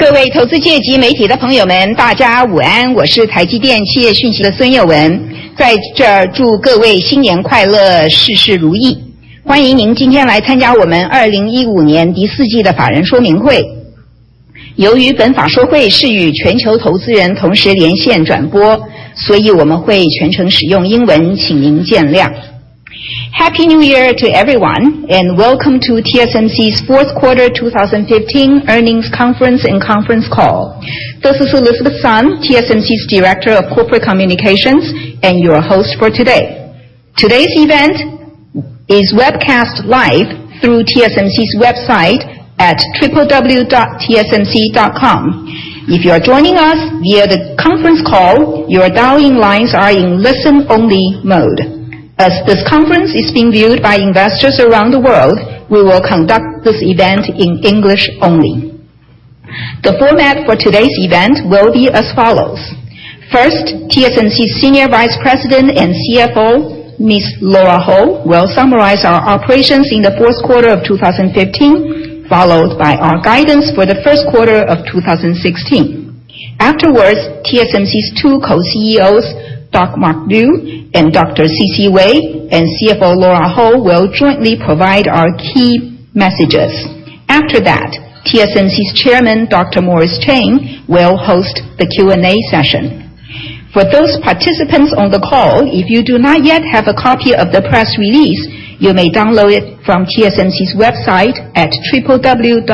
各位投资界及媒体的朋友们，大家午安。我是台积电企业讯息的孙玉雯。在这祝各位新年快乐，事事如意。欢迎您今天来参加我们2015年第四季的法人说明会。由于本法说会是与全球投资人同时连线转播，所以我们会全程使用英文，请您见谅。Happy New Year to everyone, and welcome to TSMC's fourth quarter 2015 earnings conference and conference call. This is Elizabeth Sun, TSMC's Director of Corporate Communications, and your host for today. Today's event is webcast live through TSMC's website at www.tsmc.com. If you're joining us via the conference call, your dial-in lines are in listen-only mode. As this conference is being viewed by investors around the world, we will conduct this event in English only. The format for today's event will be as follows: First, TSMC Senior Vice President and CFO, Ms. Lora Ho, will summarize our operations in the fourth quarter of 2015, followed by our guidance for the first quarter of 2016. Afterwards, TSMC's two co-CEOs, Dr. Mark Liu and Dr. C.C. Wei, and CFO Lora Ho, will jointly provide our key messages. After that, TSMC's chairman, Dr. Morris Chang, will host the Q&A session. For those participants on the call, if you do not yet have a copy of the press release, you may download it from TSMC's website at www.tsmc.com.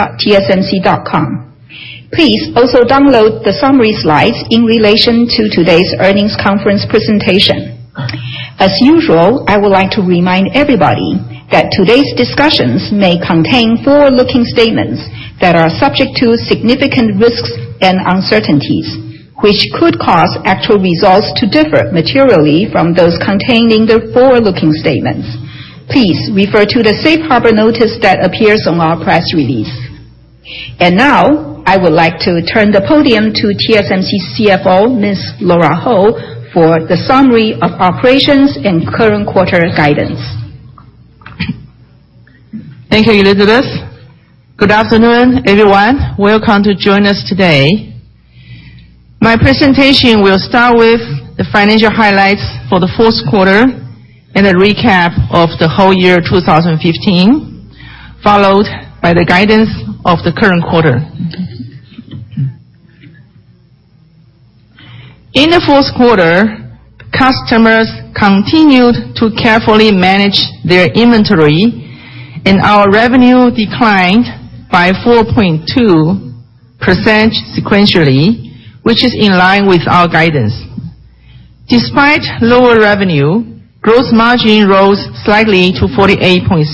Please also download the summary slides in relation to today's earnings conference presentation. As usual, I would like to remind everybody that today's discussions may contain forward-looking statements that are subject to significant risks and uncertainties, which could cause actual results to differ materially from those contained in the forward-looking statements. Please refer to the Safe Harbor notice that appears on our press release. Now, I would like to turn the podium to TSMC CFO, Ms. Lora Ho, for the summary of operations and current quarter guidance. Thank you, Elizabeth. Good afternoon, everyone. Welcome to join us today. My presentation will start with the financial highlights for the fourth quarter and a recap of the whole year 2015, followed by the guidance of the current quarter. In the fourth quarter, customers continued to carefully manage their inventory. Our revenue declined by 4.2% sequentially, which is in line with our guidance. Despite lower revenue, gross margin rose slightly to 48.6%,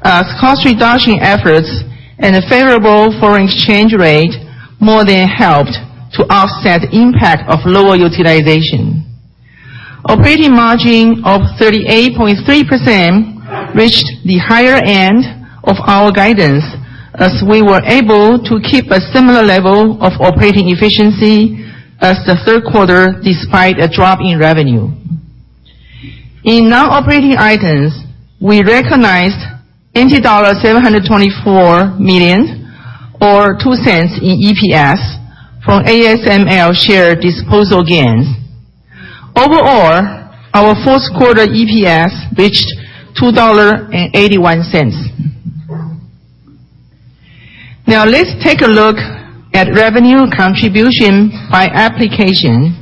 as cost-reduction efforts and a favorable foreign exchange rate more than helped to offset the impact of lower utilization. Operating margin of 38.3% reached the higher end of our guidance, as we were able to keep a similar level of operating efficiency as the third quarter, despite a drop in revenue. In non-operating items, we recognized 724 million, or 0.02 in EPS, from ASML share disposal gains. Overall, our fourth quarter EPS reached 2.81 dollar. Now let's take a look at revenue contribution by application.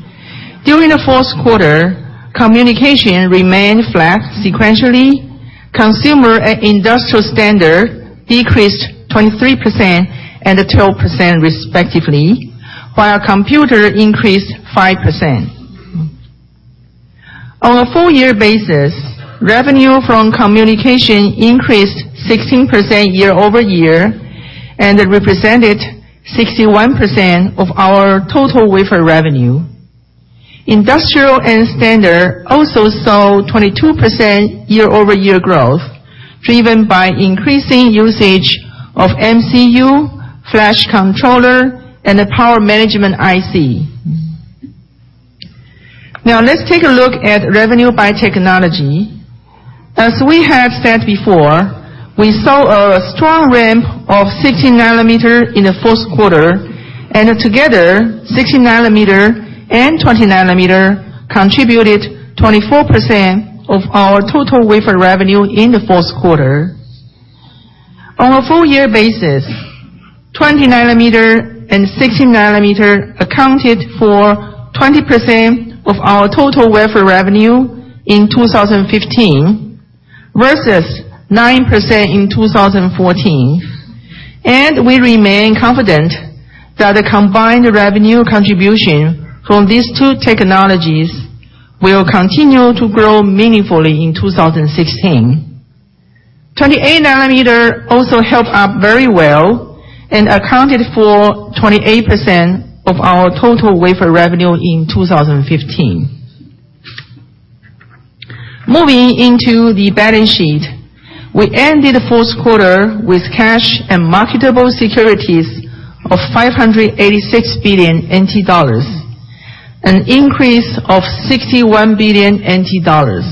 During the fourth quarter, communication remained flat sequentially. Consumer and industrial standard decreased 23% and 12% respectively, while computer increased 5%. On a full year basis, revenue from communication increased 16% year-over-year and represented 61% of our total wafer revenue. Industrial and standard also saw 22% year-over-year growth, driven by increasing usage of MCU, flash controller, and power management IC. Now let's take a look at revenue by technology. As we have said before, we saw a strong ramp of 16 nanometer in the fourth quarter, and together 16 nanometer and 20 nanometer contributed 24% of our total wafer revenue in the fourth quarter. On a full year basis, 20 nanometer and 16 nanometer accounted for 20% of our total wafer revenue in 2015 versus 9% in 2014. We remain confident that the combined revenue contribution from these two technologies will continue to grow meaningfully in 2016. 28 nanometer also held up very well and accounted for 28% of our total wafer revenue in 2015. Moving into the balance sheet, we ended the fourth quarter with cash and marketable securities of 586 billion NT dollars, an increase of 61 billion NT dollars.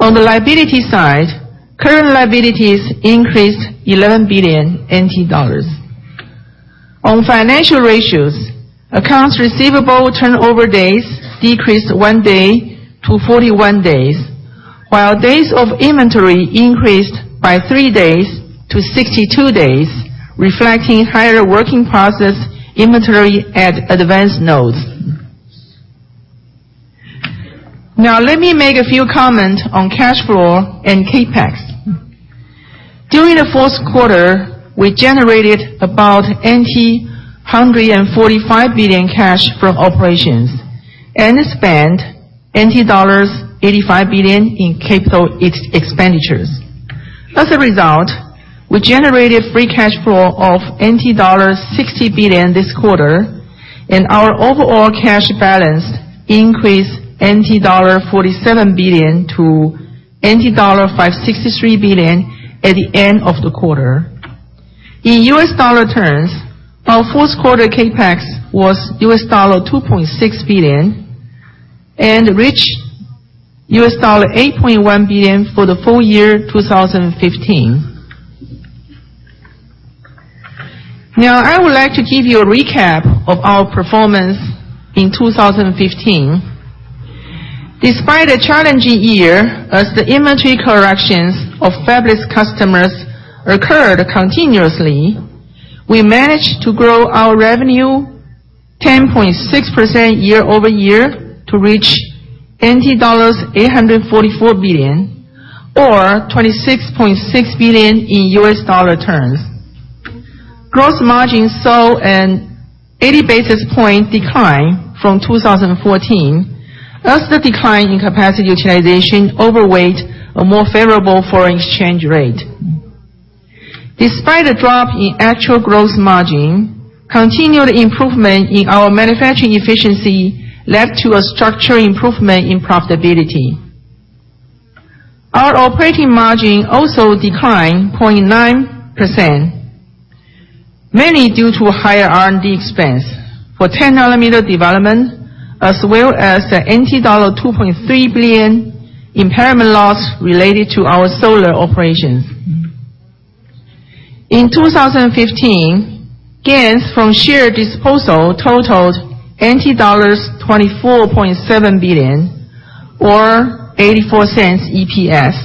On the liability side, current liabilities increased 11 billion NT dollars. On financial ratios, accounts receivable turnover days decreased one day to 41 days, while days of inventory increased by three days to 62 days, reflecting higher working process inventory at advanced nodes. Let me make a few comment on cash flow and CapEx. During the fourth quarter, we generated about 145 billion cash from operations and spent dollars 85 billion in capital expenditures. We generated free cash flow of NT dollars 60 billion this quarter, and our overall cash balance increased NT dollar 47 billion to NT dollar 563 billion at the end of the quarter. In US dollar terms, our fourth quarter CapEx was $2.6 billion and reached $8.1 billion for the full year 2015. I would like to give you a recap of our performance in 2015. Despite a challenging year as the inventory corrections of fabless customers occurred continuously, we managed to grow our revenue 10.6% year-over-year to reach NT dollars 844 billion or $26.6 billion in US dollar terms. Gross margin saw an 80-basis point decline from 2014, as the decline in capacity utilization outweighed a more favorable foreign exchange rate. Despite a drop in actual gross margin, continued improvement in our manufacturing efficiency led to a structural improvement in profitability. Our operating margin also declined 0.9%, mainly due to higher R&D expense for 10-nanometer development, as well as the NT dollar 2.3 billion impairment loss related to our solar operations. In 2015, gains from share disposal totaled NT dollars 24.7 billion, or 0.84 EPS,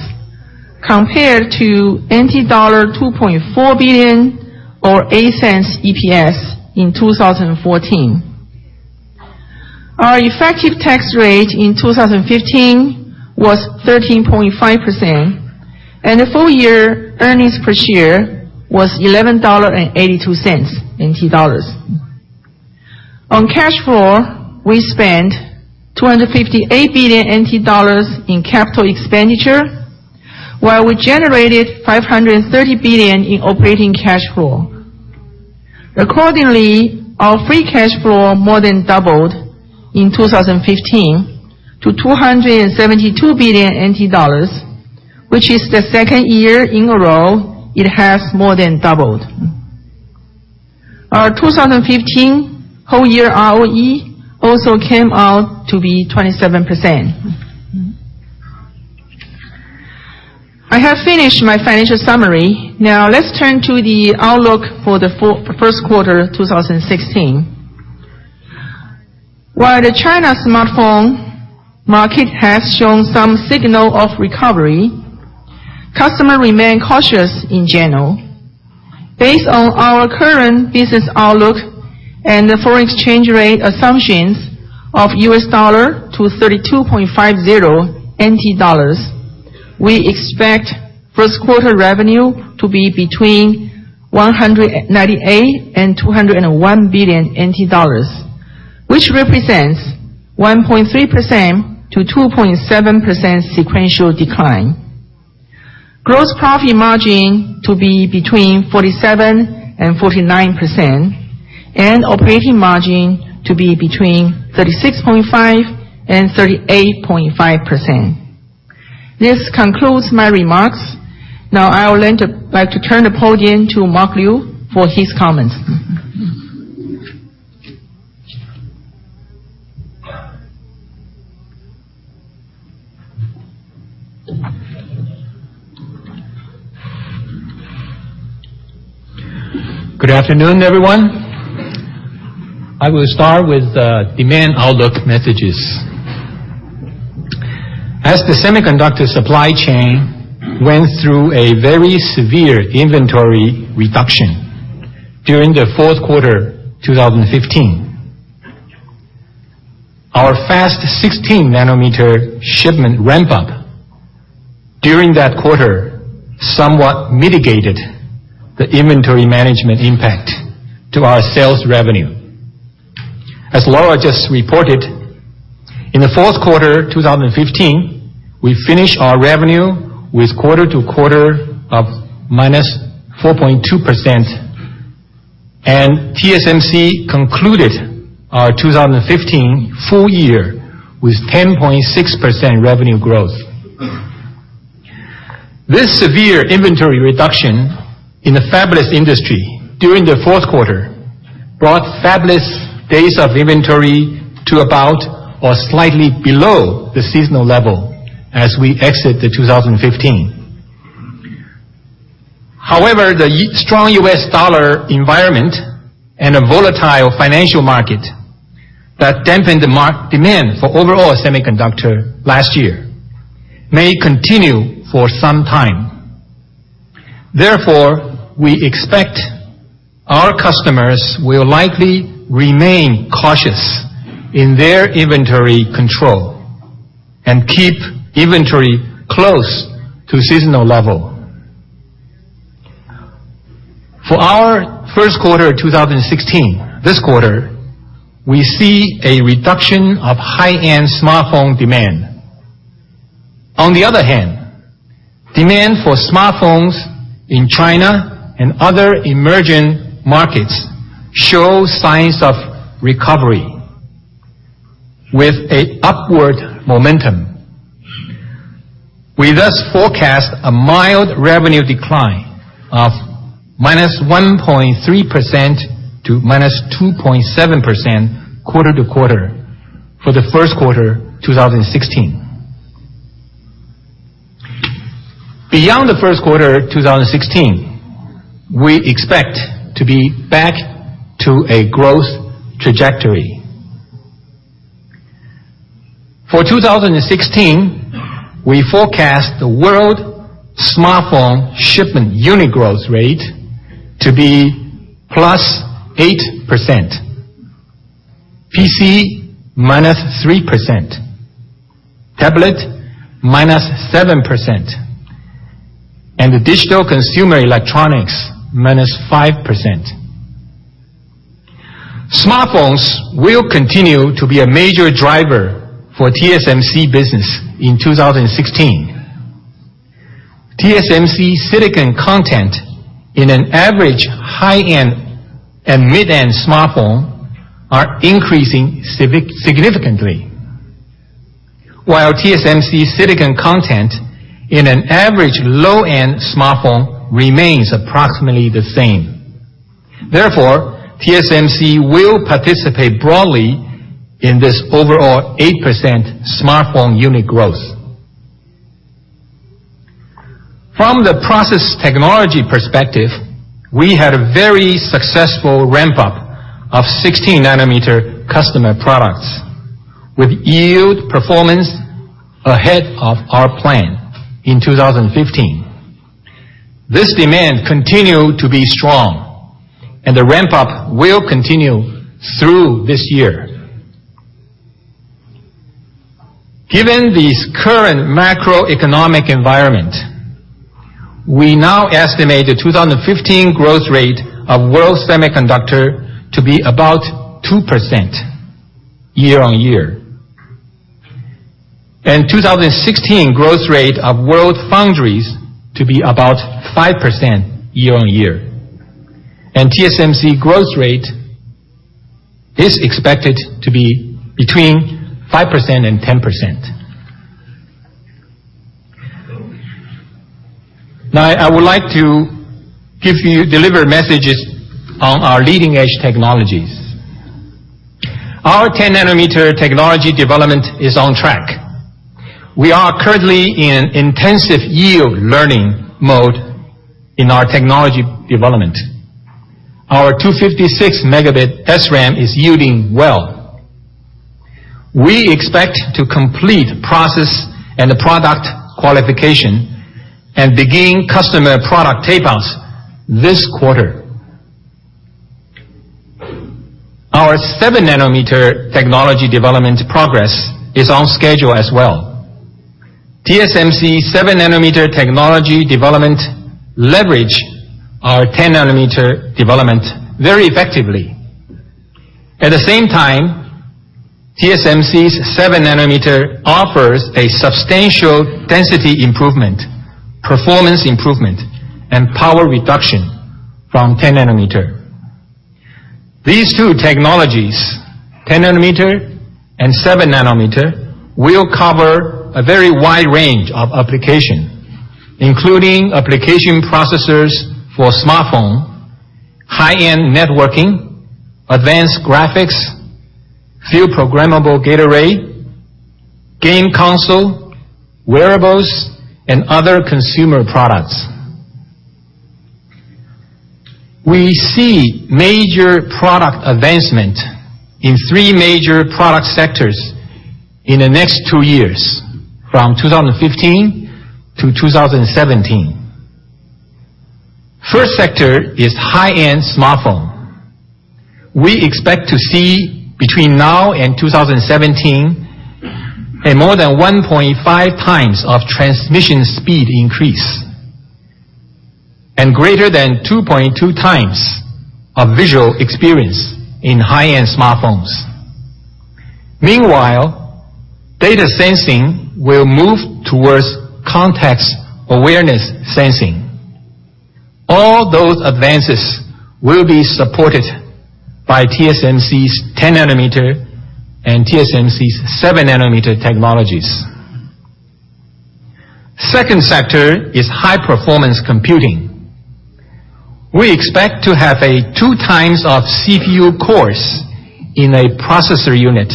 compared to NT dollar 2.4 billion, or 0.08 EPS, in 2014. Our effective tax rate in 2015 was 13.5%, and the full year earnings per share was 11.82 dollars. On cash flow, we spent 258 billion NT dollars in capital expenditure, while we generated 530 billion in operating cash flow. Accordingly, our free cash flow more than doubled in 2015 to 272 billion NT dollars, which is the second year in a row it has more than doubled. Our 2015 whole year ROE also came out to be 27%. I have finished my financial summary. Let's turn to the outlook for the first quarter 2016. The China smartphone market has shown some signal of recovery, customers remain cautious in general. Based on our current business outlook and the foreign exchange rate assumptions of US dollar to 32.50 NT dollars, we expect first quarter revenue to be between 198 billion and 201 billion NT dollars, which represents 1.3%-2.7% sequential decline. Gross profit margin to be between 47%-49%, and operating margin to be between 36.5%-38.5%. This concludes my remarks. I will like to turn the podium to Mark Liu for his comments. Good afternoon, everyone. I will start with the demand outlook messages. As the semiconductor supply chain went through a very severe inventory reduction during the fourth quarter 2015, our fast 16-nanometer shipment ramp-up during that quarter somewhat mitigated the inventory management impact to our sales revenue. As Lora just reported, in the fourth quarter 2015, we finished our revenue with quarter-over-quarter of -4.2%, and TSMC concluded our 2015 full year with 10.6% revenue growth. This severe inventory reduction in the fabless industry during the fourth quarter brought fabless days of inventory to about or slightly below the seasonal level as we exit 2015. However, the strong U.S. dollar environment and a volatile financial market that dampened the demand for overall semiconductor last year may continue for some time. We expect our customers will likely remain cautious in their inventory control and keep inventory close to seasonal level. For our first quarter 2016, this quarter, we see a reduction of high-end smartphone demand. Demand for smartphones in China and other emerging markets show signs of recovery with an upward momentum. We thus forecast a mild revenue decline of -1.3% to -2.7% quarter-over-quarter for the first quarter 2016. Beyond the first quarter 2016, we expect to be back to a growth trajectory. For 2016, we forecast the world smartphone shipment unit growth rate to be +8%, PC -3%, tablet -7%, and the digital consumer electronics -5%. Smartphones will continue to be a major driver for TSMC business in 2016. TSMC silicon content in an average high-end and mid-end smartphone are increasing significantly. While TSMC silicon content in an average low-end smartphone remains approximately the same. TSMC will participate broadly in this overall 8% smartphone unit growth. From the process technology perspective, we had a very successful ramp-up of 16-nanometer customer products with yield performance ahead of our plan in 2015. This demand continued to be strong, and the ramp-up will continue through this year. Given this current macroeconomic environment, we now estimate the 2015 growth rate of world semiconductor to be about 2% year-over-year. The 2016 growth rate of world foundries to be about 5% year-over-year. TSMC growth rate is expected to be between 5% and 10%. I would like to deliver messages on our leading-edge technologies. Our 10-nanometer technology development is on track. We are currently in intensive yield learning mode in our technology development. Our 256-megabit SRAM is yielding well. We expect to complete process and product qualification and begin customer product tape-outs this quarter. Our 7-nanometer technology development progress is on schedule as well. TSMC 7-nanometer technology development leverage our 10-nanometer development very effectively. At the same time, TSMC's 7-nanometer offers a substantial density improvement, performance improvement, and power reduction from 10-nanometer. These two technologies, 10-nanometer and 7-nanometer, will cover a very wide range of application, including application processors for smartphone, high-end networking, advanced graphics, field-programmable gate array, game console, wearables, and other consumer products. We see major product advancement in three major product sectors in the next two years, from 2015 to 2017. First sector is high-end smartphone. We expect to see between now and 2017, a more than 1.5 times of transmission speed increase. Greater than 2.2 times of visual experience in high-end smartphones. Meanwhile, data sensing will move towards context awareness sensing. All those advances will be supported by TSMC's 10-nanometer and TSMC's 7-nanometer technologies. Second sector is high-performance computing. We expect to have a 2 times of CPU cores in a processor unit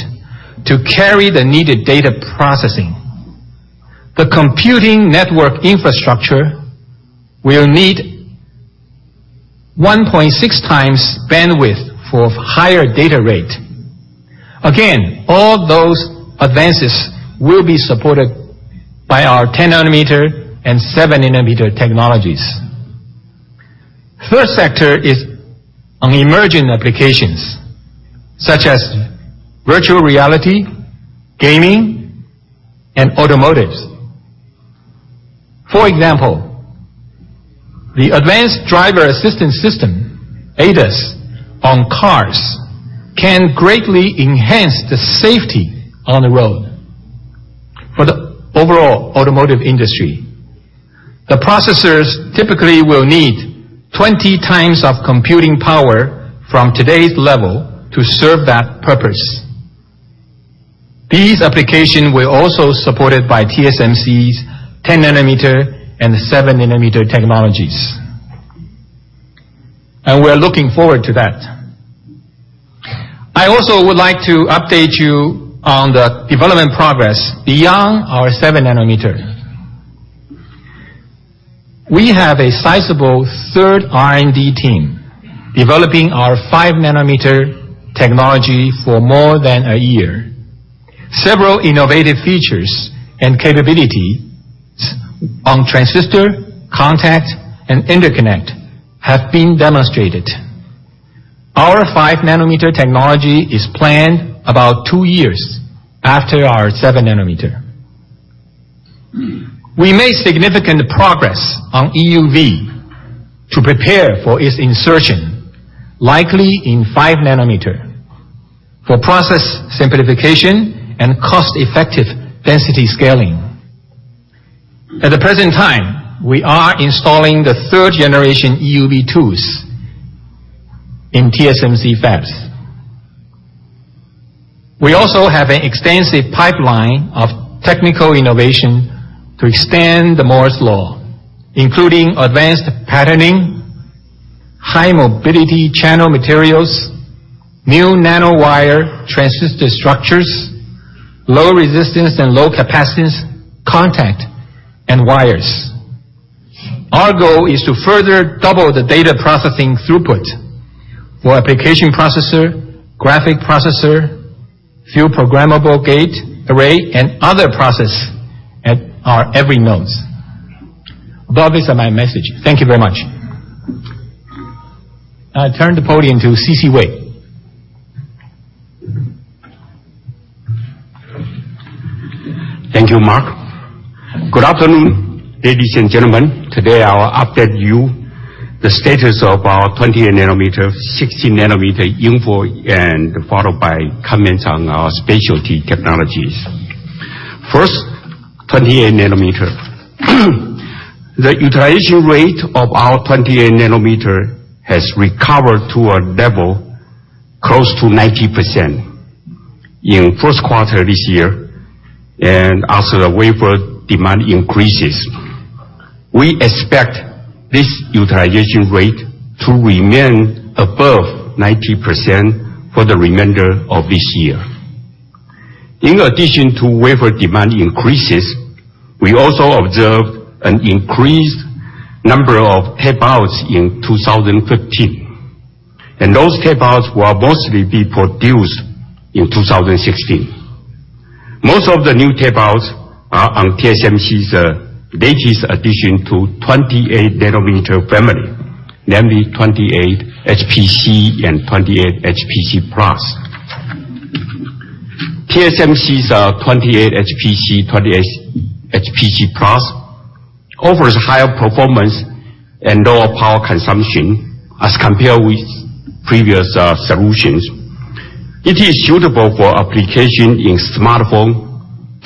to carry the needed data processing. The computing network infrastructure will need 1.6 times bandwidth for higher data rate. Again, all those advances will be supported by our 10-nanometer and 7-nanometer technologies. Third sector is on emerging applications, such as virtual reality, gaming, and automotives. For example, the advanced driver assistance system, ADAS, on cars can greatly enhance the safety on the road for the overall automotive industry. The processors typically will need 20 times of computing power from today's level to serve that purpose. These application will also supported by TSMC's 10-nanometer and 7-nanometer technologies. We're looking forward to that. I also would like to update you on the development progress beyond our 7-nanometer. We have a sizable third R&D team developing our 5-nanometer technology for more than a year. Several innovative features and capabilities on transistor, contact, and interconnect have been demonstrated. Our 5-nanometer technology is planned about two years after our 7-nanometer. We made significant progress on EUV to prepare for its insertion, likely in 5-nanometer, for process simplification and cost-effective density scaling. At the present time, we are installing the third-generation EUV tools in TSMC fabs. We also have an extensive pipeline of technical innovation to extend the Moore's law, including advanced patterning, high-mobility channel materials, new nanowire transistor structures, low resistance and low capacitance contact and wires. Our goal is to further double the data processing throughput for application processor, graphic processor, field-programmable gate array, and other process at our every nodes. Well, these are my message. Thank you very much. I turn the podium to C.C. Wei. Thank you, Mark. Good afternoon, ladies and gentlemen. Today, I will update you the status of our 28-nanometer, 16-nanometer InFO, and followed by comments on our specialty technologies. First, 28-nanometer. The utilization rate of our 28-nanometer has recovered to a level close to 90% in first quarter this year. As the wafer demand increases, we expect this utilization rate to remain above 90% for the remainder of this year. In addition to wafer demand increases, we also observed an increased number of tape-outs in 2015, and those tape-outs will mostly be produced in 2016. Most of the new tape-outs are on TSMC's latest addition to 28-nanometer family, namely 28HPC and 28HPC Plus. TSMC's 28HPC Plus offers higher performance and lower power consumption as compared with previous solutions. It is suitable for application in smartphone,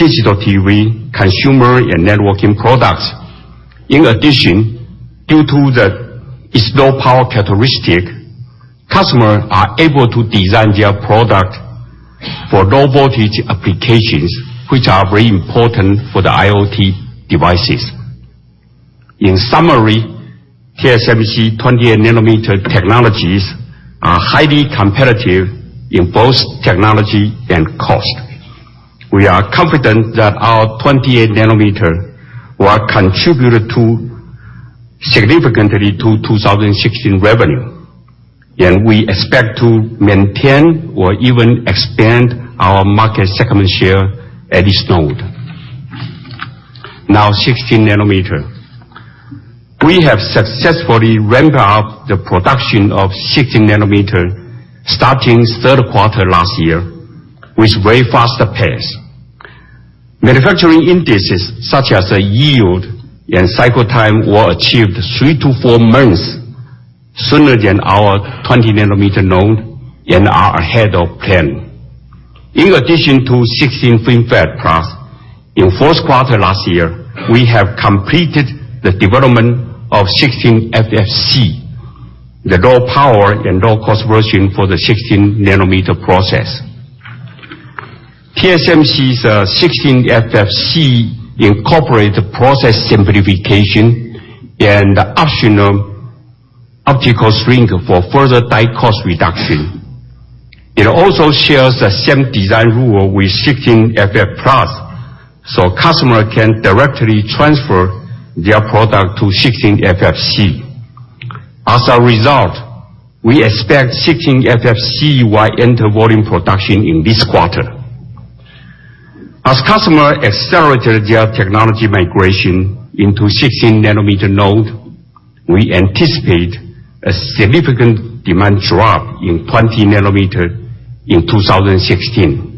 digital TV, consumer and networking products. In addition, due to that it's low power characteristic, customer are able to design their product for low voltage applications, which are very important for the IoT devices. In summary, TSMC 28-nanometer technologies are highly competitive in both technology and cost. We are confident that our 28-nanometer will contribute to significantly to 2016 revenue. We expect to maintain or even expand our market segment share at this node. Now, 16-nanometer. We have successfully ramped up the production of 16-nanometer starting third quarter last year with very faster pace. Manufacturing indices such as yield and cycle time were achieved three to four months sooner than our 20-nanometer node and are ahead of plan. In addition to 16 FinFET Plus, in fourth quarter last year, we have completed the development of 16FFC, the low power and low cost version for the 16-nanometer process. TSMC's 16FFC incorporate process simplification and optional optical shrink for further die cost reduction. It also shares the same design rule with 16FF+, so customer can directly transfer their product to 16FFC. As a result, we expect 16FFC will enter volume production in this quarter. As customer accelerated their technology migration into 16-nanometer node, we anticipate a significant demand drop in 20-nanometer in 2016.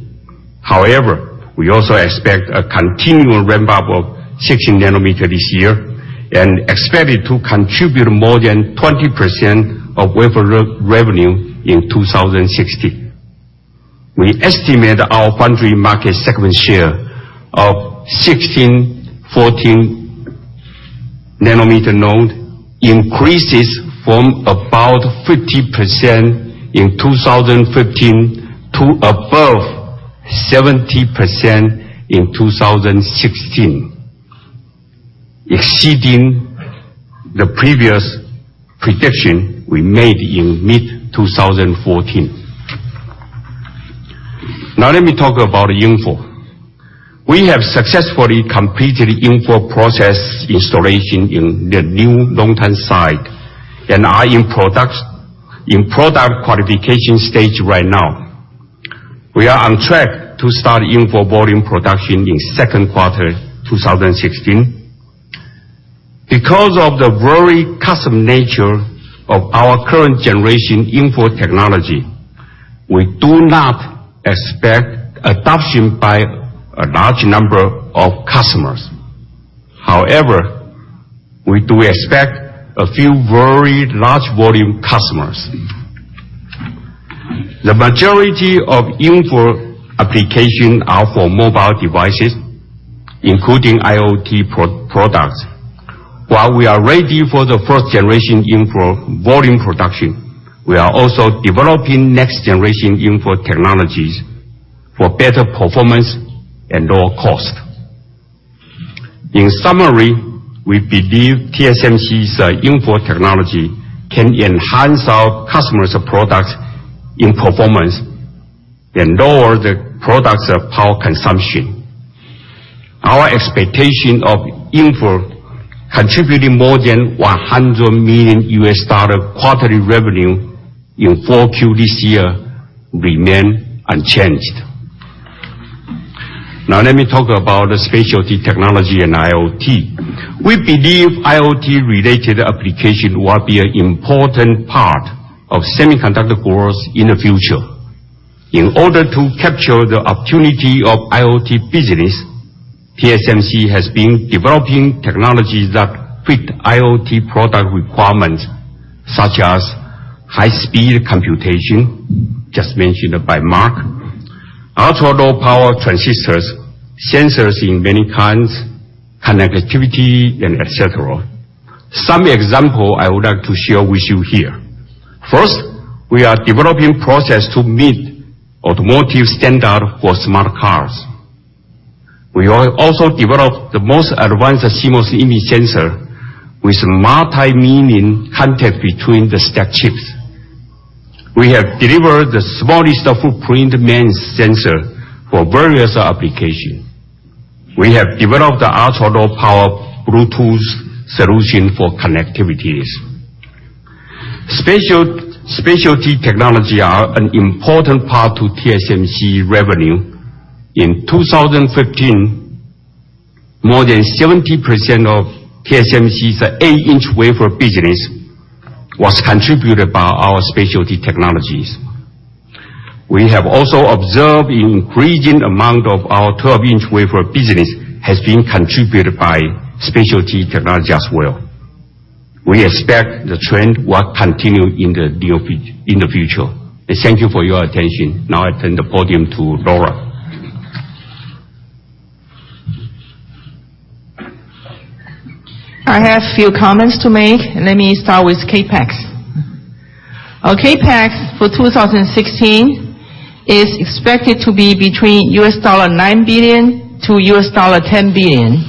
We also expect a continual ramp-up of 16-nanometer this year, and expect it to contribute more than 20% of wafer revenue in 2016. We estimate our foundry market segment share of 16/14-nanometer node increases from about 50% in 2015 to above 70% in 2016, exceeding the previous prediction we made in mid-2014. Now let me talk about InFO. We have successfully completed InFO process installation in the new Longtan site, and are in product qualification stage right now. We are on track to start InFO volume production in second quarter 2016. Because of the very custom nature of our current generation InFO technology, we do not expect adoption by a large number of customers. We do expect a few very large volume customers. The majority of InFO application are for mobile devices, including IoT products. While we are ready for the first generation InFO volume production, we are also developing next-generation InFO technologies for better performance and lower cost. In summary, we believe TSMC's InFO technology can enhance our customers' product in performance and lower the products' power consumption. Our expectation of InFO contributing more than $100 million quarterly revenue in 4Q this year remain unchanged. Now let me talk about the specialty technology and IoT. We believe IoT-related application will be an important part of semiconductor growth in the future. In order to capture the opportunity of IoT business, TSMC has been developing technologies that fit IoT product requirements, such as high-speed computation, just mentioned by Mark, ultra-low power transistors, sensors in many kinds, connectivity, and et cetera. Some example I would like to share with you here. First, we are developing process to meet automotive standard for smart cars. We have also developed the most advanced CMOS image sensor with multi-million contact between the stack chips. We have delivered the smallest footprint MEMS sensor for various application. We have developed the ultra-low power Bluetooth solution for connectivities. Specialty technology are an important part to TSMC revenue. In 2015, more than 70% of TSMC's 8-inch wafer business was contributed by our specialty technologies. We have also observed increasing amount of our 12-inch wafer business has been contributed by specialty technology as well. We expect the trend will continue in the future. Thank you for your attention. Now I turn the podium to Lora. I have a few comments to make. Let me start with CapEx. Our CapEx for 2016 is expected to be between US$9 billion to US$10 billion,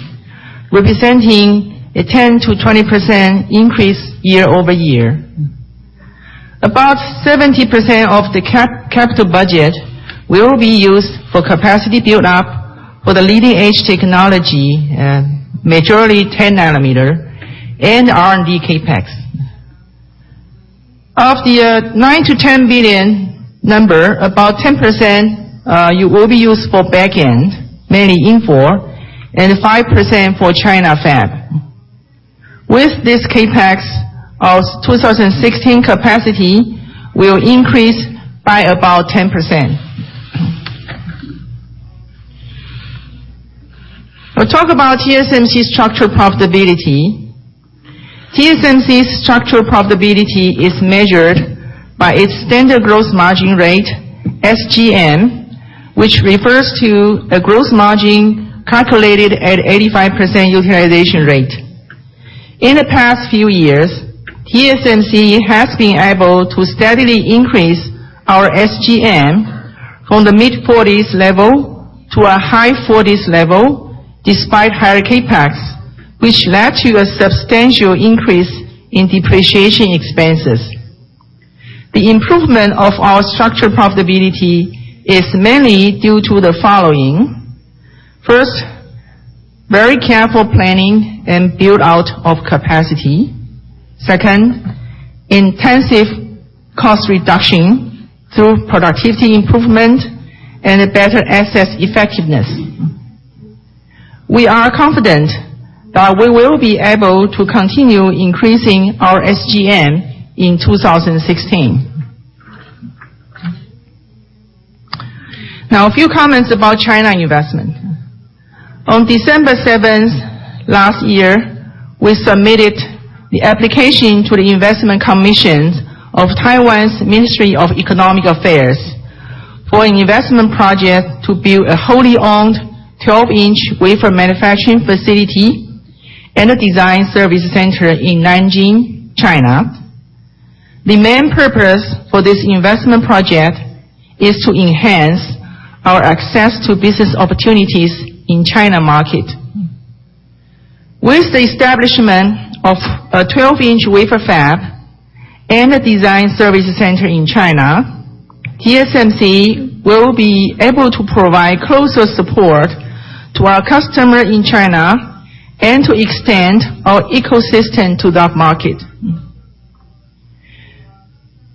representing a 10%-20% increase year-over-year. About 70% of the capital budget will be used for capacity build-up for the leading edge technology, majority 10 nanometer and R&D CapEx. Of the nine to 10 billion number, about 10% will be used for back end, mainly InFO, and 5% for China fab. With this CapEx, our 2016 capacity will increase by about 10%. We will talk about TSMC structural profitability. TSMC's structural profitability is measured by its standard gross margin rate, SGM, which refers to the gross margin calculated at 85% utilization rate. In the past few years, TSMC has been able to steadily increase our SGM from the mid-40s level to a high 40s level, despite higher CapEx, which led to a substantial increase in depreciation expenses. The improvement of our structured profitability is mainly due to the following. First, very careful planning and build-out of capacity. Second, intensive cost reduction through productivity improvement and better asset effectiveness. We are confident that we will be able to continue increasing our SGM in 2016. A few comments about China investment. On December 7th last year, we submitted the application to the Investment Commission, Ministry of Economic Affairs for an investment project to build a wholly owned 12-inch wafer manufacturing facility and a design service center in Nanjing, China. The main purpose for this investment project is to enhance our access to business opportunities in China market. With the establishment of a 12-inch wafer fab and a design service center in China, TSMC will be able to provide closer support to our customer in China and to extend our ecosystem to that market.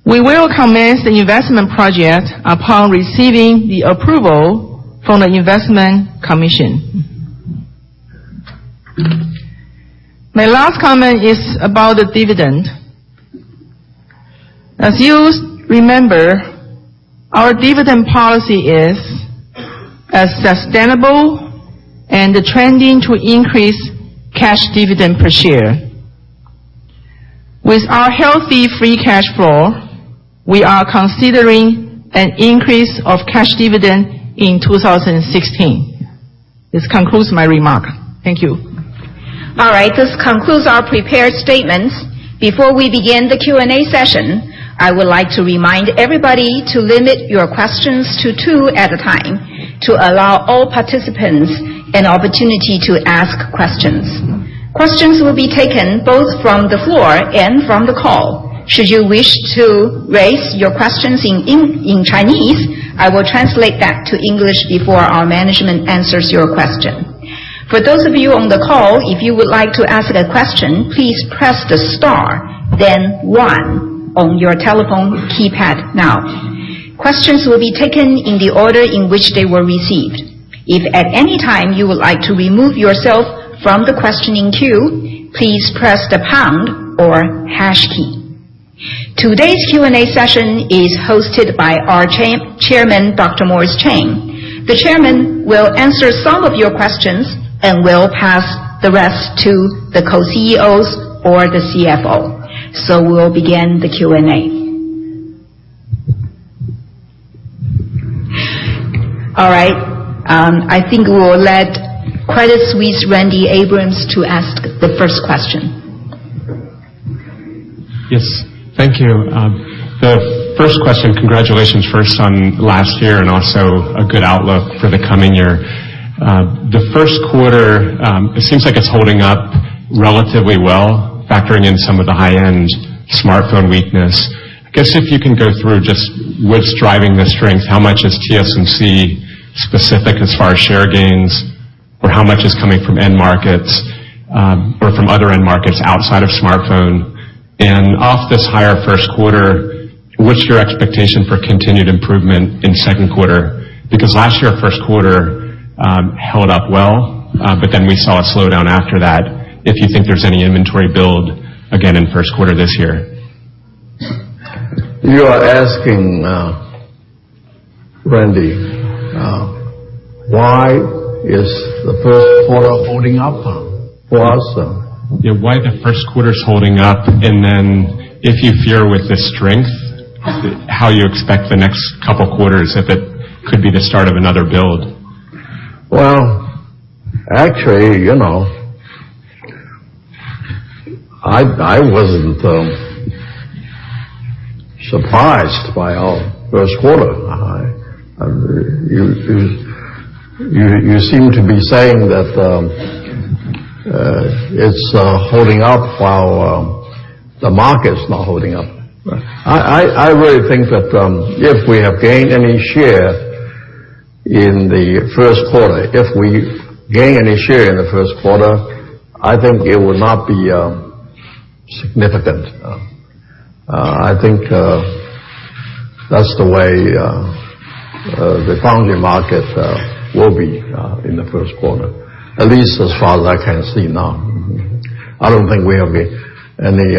We will commence the investment project upon receiving the approval from the Investment Commission. My last comment is about the dividend. As you remember, our dividend policy is a sustainable and trending to increase cash dividend per share. With our healthy free cash flow, we are considering an increase of cash dividend in 2016. This concludes my remark. Thank you. All right. This concludes our prepared statements. Before we begin the Q&A session, I would like to remind everybody to limit your questions to two at a time to allow all participants an opportunity to ask questions. Questions will be taken both from the floor and from the call. Should you wish to raise your questions in Chinese, I will translate that to English before our management answers your question. For those of you on the call, if you would like to ask a question, please press the star, then one on your telephone keypad now. Questions will be taken in the order in which they were received. If at any time you would like to remove yourself from the questioning queue, please press the pound or hash key. Today's Q&A session is hosted by our Chairman, Dr. Morris Chang. The Chairman will answer some of your questions and will pass the rest to the co-CEOs or the CFO. We will begin the Q&A. All right, I think we will let Credit Suisse, Randy Abrams, to ask the first question. Yes. Thank you. The first question, congratulations first on last year, also a good outlook for the coming year. The first quarter, it seems like it's holding up relatively well, factoring in some of the high-end smartphone weakness. I guess if you can go through just what's driving the strength, how much is TSMC specific as far as share gains, or how much is coming from end markets, or from other end markets outside of smartphone? Off this higher first quarter, what's your expectation for continued improvement in second quarter? Last year, first quarter held up well, we saw a slowdown after that, if you think there's any inventory build again in first quarter this year. You are asking, Randy, why is the first quarter holding up? Yeah, why the first quarter's holding up, and then if you fear with the strength, how you expect the next couple quarters, if it could be the start of another build. Well, actually, I wasn't surprised by our first quarter. You seem to be saying that it's holding up while the market's not holding up. Right. I really think that if we have gained any share in the first quarter, if we gain any share in the first quarter, I think it will not be significant. I think that's the way the foundry market will be in the first quarter, at least as far as I can see now. I don't think we have gained any,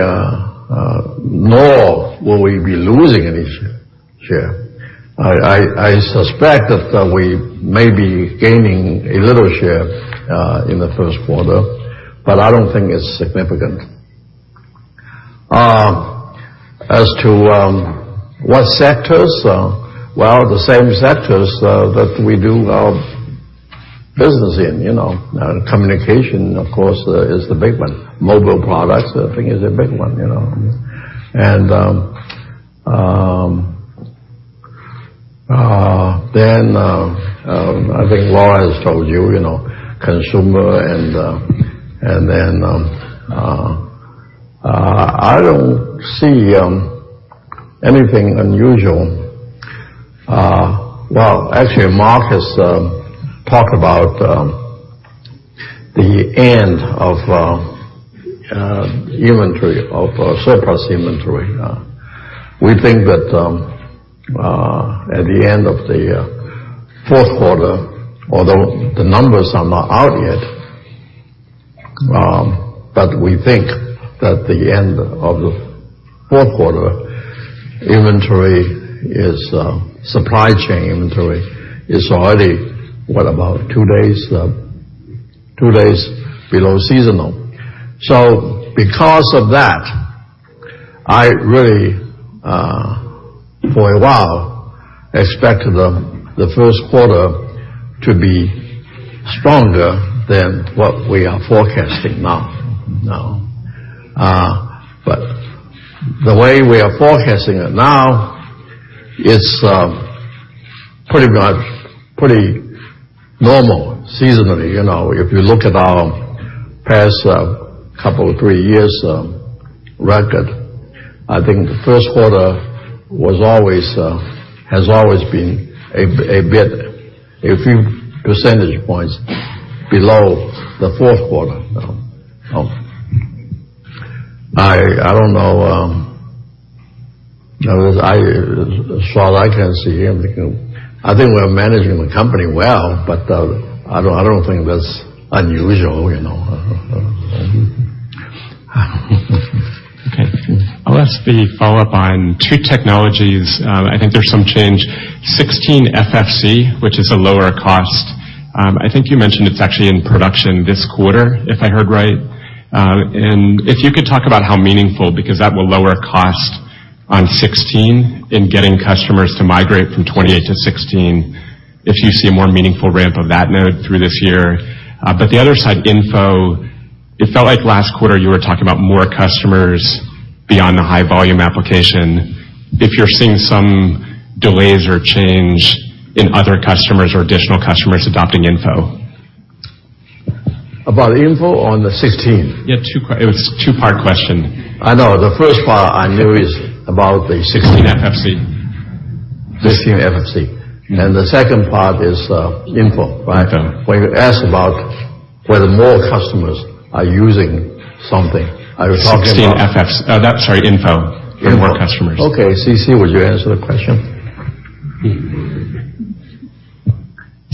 nor will we be losing any share. I suspect that we may be gaining a little share in the first quarter, but I don't think it's significant. As to what sectors, well, the same sectors that we do business in. Communication, of course, is the big one. Mobile products, I think, is a big one. I think Lora has told you, Consumer. I don't see anything unusual. Well, actually, Mark has talked about the end of surplus inventory. We think that at the end of the fourth quarter, although the numbers are not out yet, but we think that the end of the fourth quarter, supply chain inventory is already, what, about two days below seasonal. Because of that, I really for a while expected the first quarter to be stronger than what we are forecasting now. The way we are forecasting it now is pretty normal seasonally. If you look at our past couple or three years' record, I think the first quarter has always been a few percentage points below the fourth quarter. I don't know. As far as I can see, I think we're managing the company well, but I don't think that's unusual. Okay. I'll ask the follow-up on two technologies. I think there's some change. 16FFC, which is a lower cost, I think you mentioned it's actually in production this quarter, if I heard right. If you could talk about how meaningful, because that will lower cost on 16 in getting customers to migrate from 28 to 16, if you see a more meaningful ramp of that node through this year. The other side, InFO, it felt like last quarter you were talking about more customers beyond the high-volume application. If you're seeing some delays or change in other customers or additional customers adopting InFO. About InFO or on the 16? Yeah, it was a two-part question. I know. The first part I knew is about the 16FFC. 16FFC. The second part is InFO, right? InFO. Where you ask about whether more customers are using something. Are you talking about 16 FF. That's right, InFO. InFO. For more customers. Okay. C.C., would you answer the question?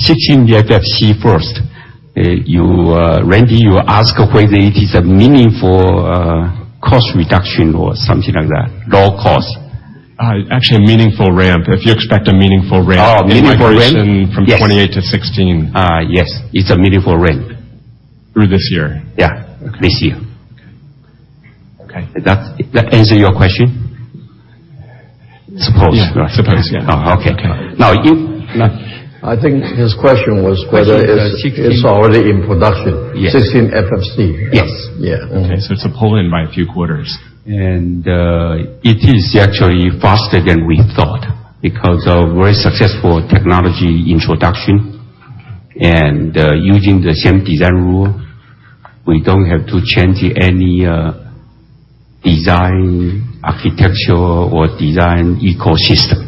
16FFC first. Randy, you ask whether it is a meaningful cost reduction or something like that. Low cost. Actually, a meaningful ramp. If you expect a meaningful ramp- Oh, meaningful ramp? in migration from 28 to 16. Yes. It's a meaningful ramp. Through this year? Yeah. Okay. This year. Okay. That answer your question? I suppose. Yeah. I suppose, yeah. Oh, okay. Okay. I think his question was whether- Question is 16- it's already in production. Yes. 16FFC. Yes. Yeah. Okay. It's a pull-in by a few quarters. It is actually faster than we thought because of very successful technology introduction, and using the same design rule, we don't have to change any design architecture or design ecosystem.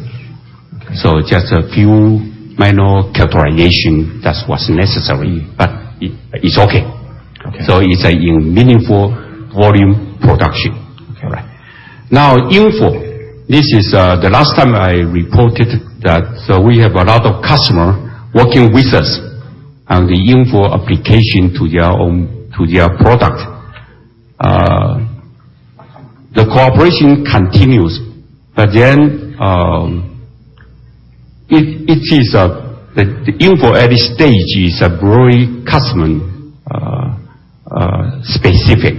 Okay. Just a few minor characterization, that's what's necessary, but it's okay. Okay. It's in meaningful volume production. Okay. Right. Now, InFO. The last time I reported that we have a lot of customers working with us on the InFO application to their product. The cooperation continues. The InFO at this stage is very customer-specific.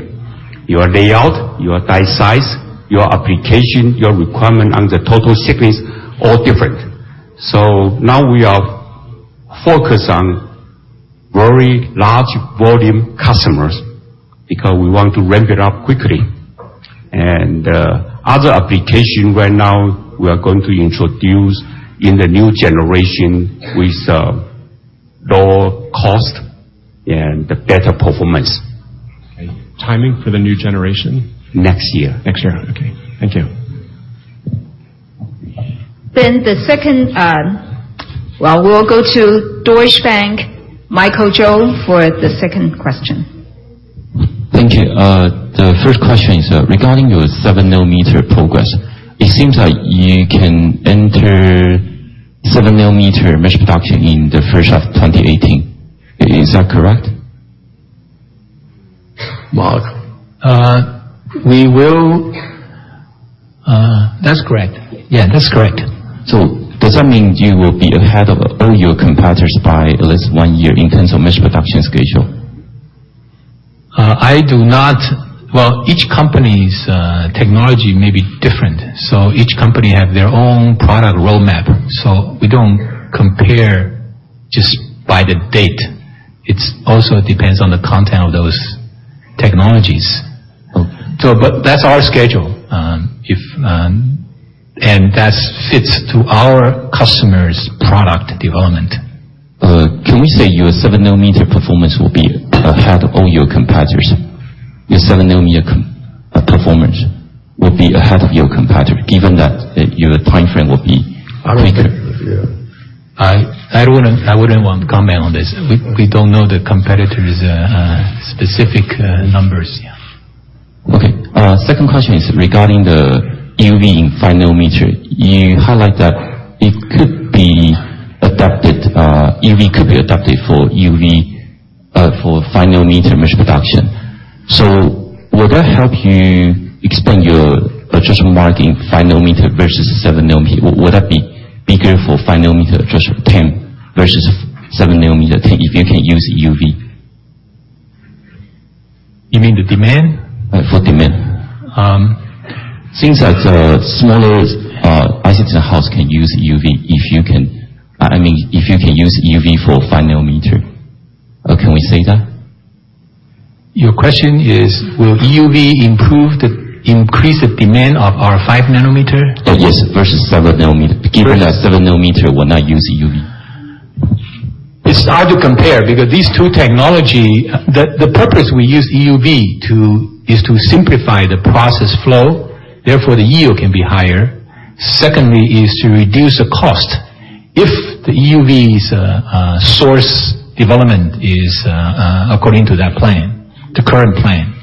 Your layout, your die size, your application, your requirement on the total sequence, all different. Now we are focused on very large volume customers because we want to ramp it up quickly. Other application right now, we are going to introduce in the new generation with lower cost and better performance. Okay. Timing for the new generation? Next year. Next year. Okay. Thank you. The second, well, we will go to Deutsche Bank, Michael Chou, for the second question. Thank you. The first question is regarding your seven-nanometer progress. It seems like you can enter seven-nanometer mass production in the first half of 2018. Is that correct? Mark. We will That's correct. Yeah, that's correct. Does that mean you will be ahead of all your competitors by at least one year in terms of mass production schedule? Well, each company's technology may be different, each company have their own product roadmap. We don't compare just by the date. It also depends on the content of those technologies. That's our schedule, and that fits to our customer's product development. Can we say your 7 nanometer performance will be ahead of all your competitors? Your 7 nanometer performance will be ahead of your competitor, given that your timeframe will be quicker. I wouldn't want to comment on this. We don't know the competitor's specific numbers. Okay. Second question is regarding the EUV in 5 nanometer. You highlight that EUV could be adapted for 5 nanometer mass production. Would that help you expand your addressable market in 5 nanometer versus 7 nanometer? Would that be bigger for 5 nanometer, addressable TAM versus 7 nanometer TAM if you can use EUV? You mean the demand? For demand. Since that smaller designs in-house can use EUV, if you can use EUV for 5 nanometer, can we say that? Your question is, will EUV increase the demand of our 5 nanometer? Yes, versus 7 nanometer, given that 7 nanometer will not use EUV. It's hard to compare because these two technology, the purpose we use EUV is to simplify the process flow, therefore, the yield can be higher. Secondly, is to reduce the cost. If the EUV's source development is according to that plan, the current plan.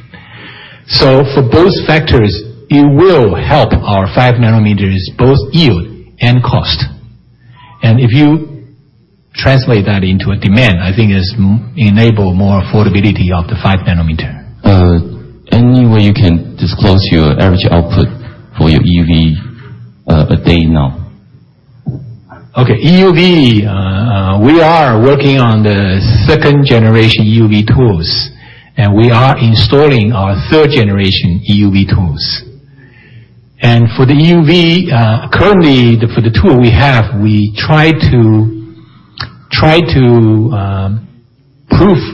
For both factors, it will help our 5 nanometers, both yield and cost. If you translate that into a demand, I think it's enable more affordability of the 5 nanometer. Any way you can disclose your average output for your EUV a day now? Okay. EUV, we are working on the second generation EUV tools, we are installing our third generation EUV tools. For the EUV, currently for the tool we have, we try to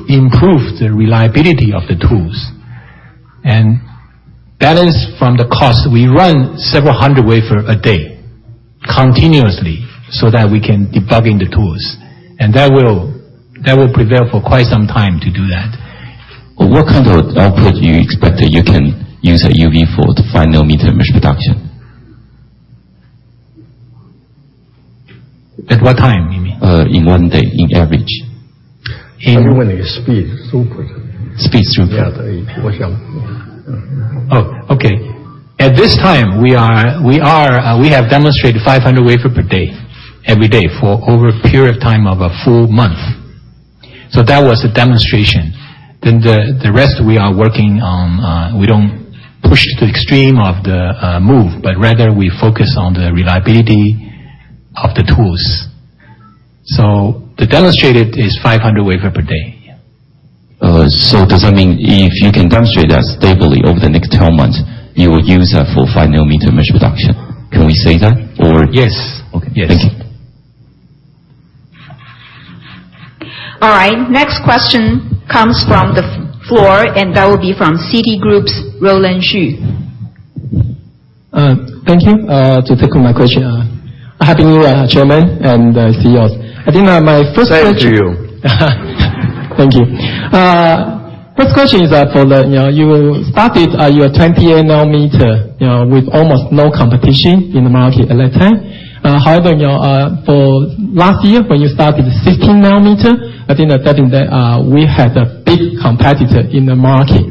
improve the reliability of the tools and balance from the cost. We run several hundred wafer a day continuously so that we can debug in the tools, that will prevail for quite some time to do that. What kind of output do you expect that you can use a EUV for the 5 nanometer mass production? At what time you mean? In one day, on average. In- I mean, when the speed throughput. Speed throughput. Yeah. Oh, okay. At this time, we have demonstrated 500 wafer per day, every day for over a period of time of a full month. That was a demonstration. The rest we are working on, we don't push the extreme of the move, but rather we focus on the reliability of the tools. The demonstrated is 500 wafer per day. Does that mean if you can demonstrate that stably over the next 12 months, you will use that for 5 nanometer mass production? Can we say that or? Yes. Okay. Yes. Thank you. All right. Next question comes from the floor, and that will be from Citigroup's Roland Shu. Thank you for taking my question. Happy New Year, Chairman and CEOs. I think my first question. Same to you. Thank you. First question is that for you started your 28 nanometer with almost no competition in the market at that time. However, for last year when you started 16 nanometer, I think that we had a big competitor in the market.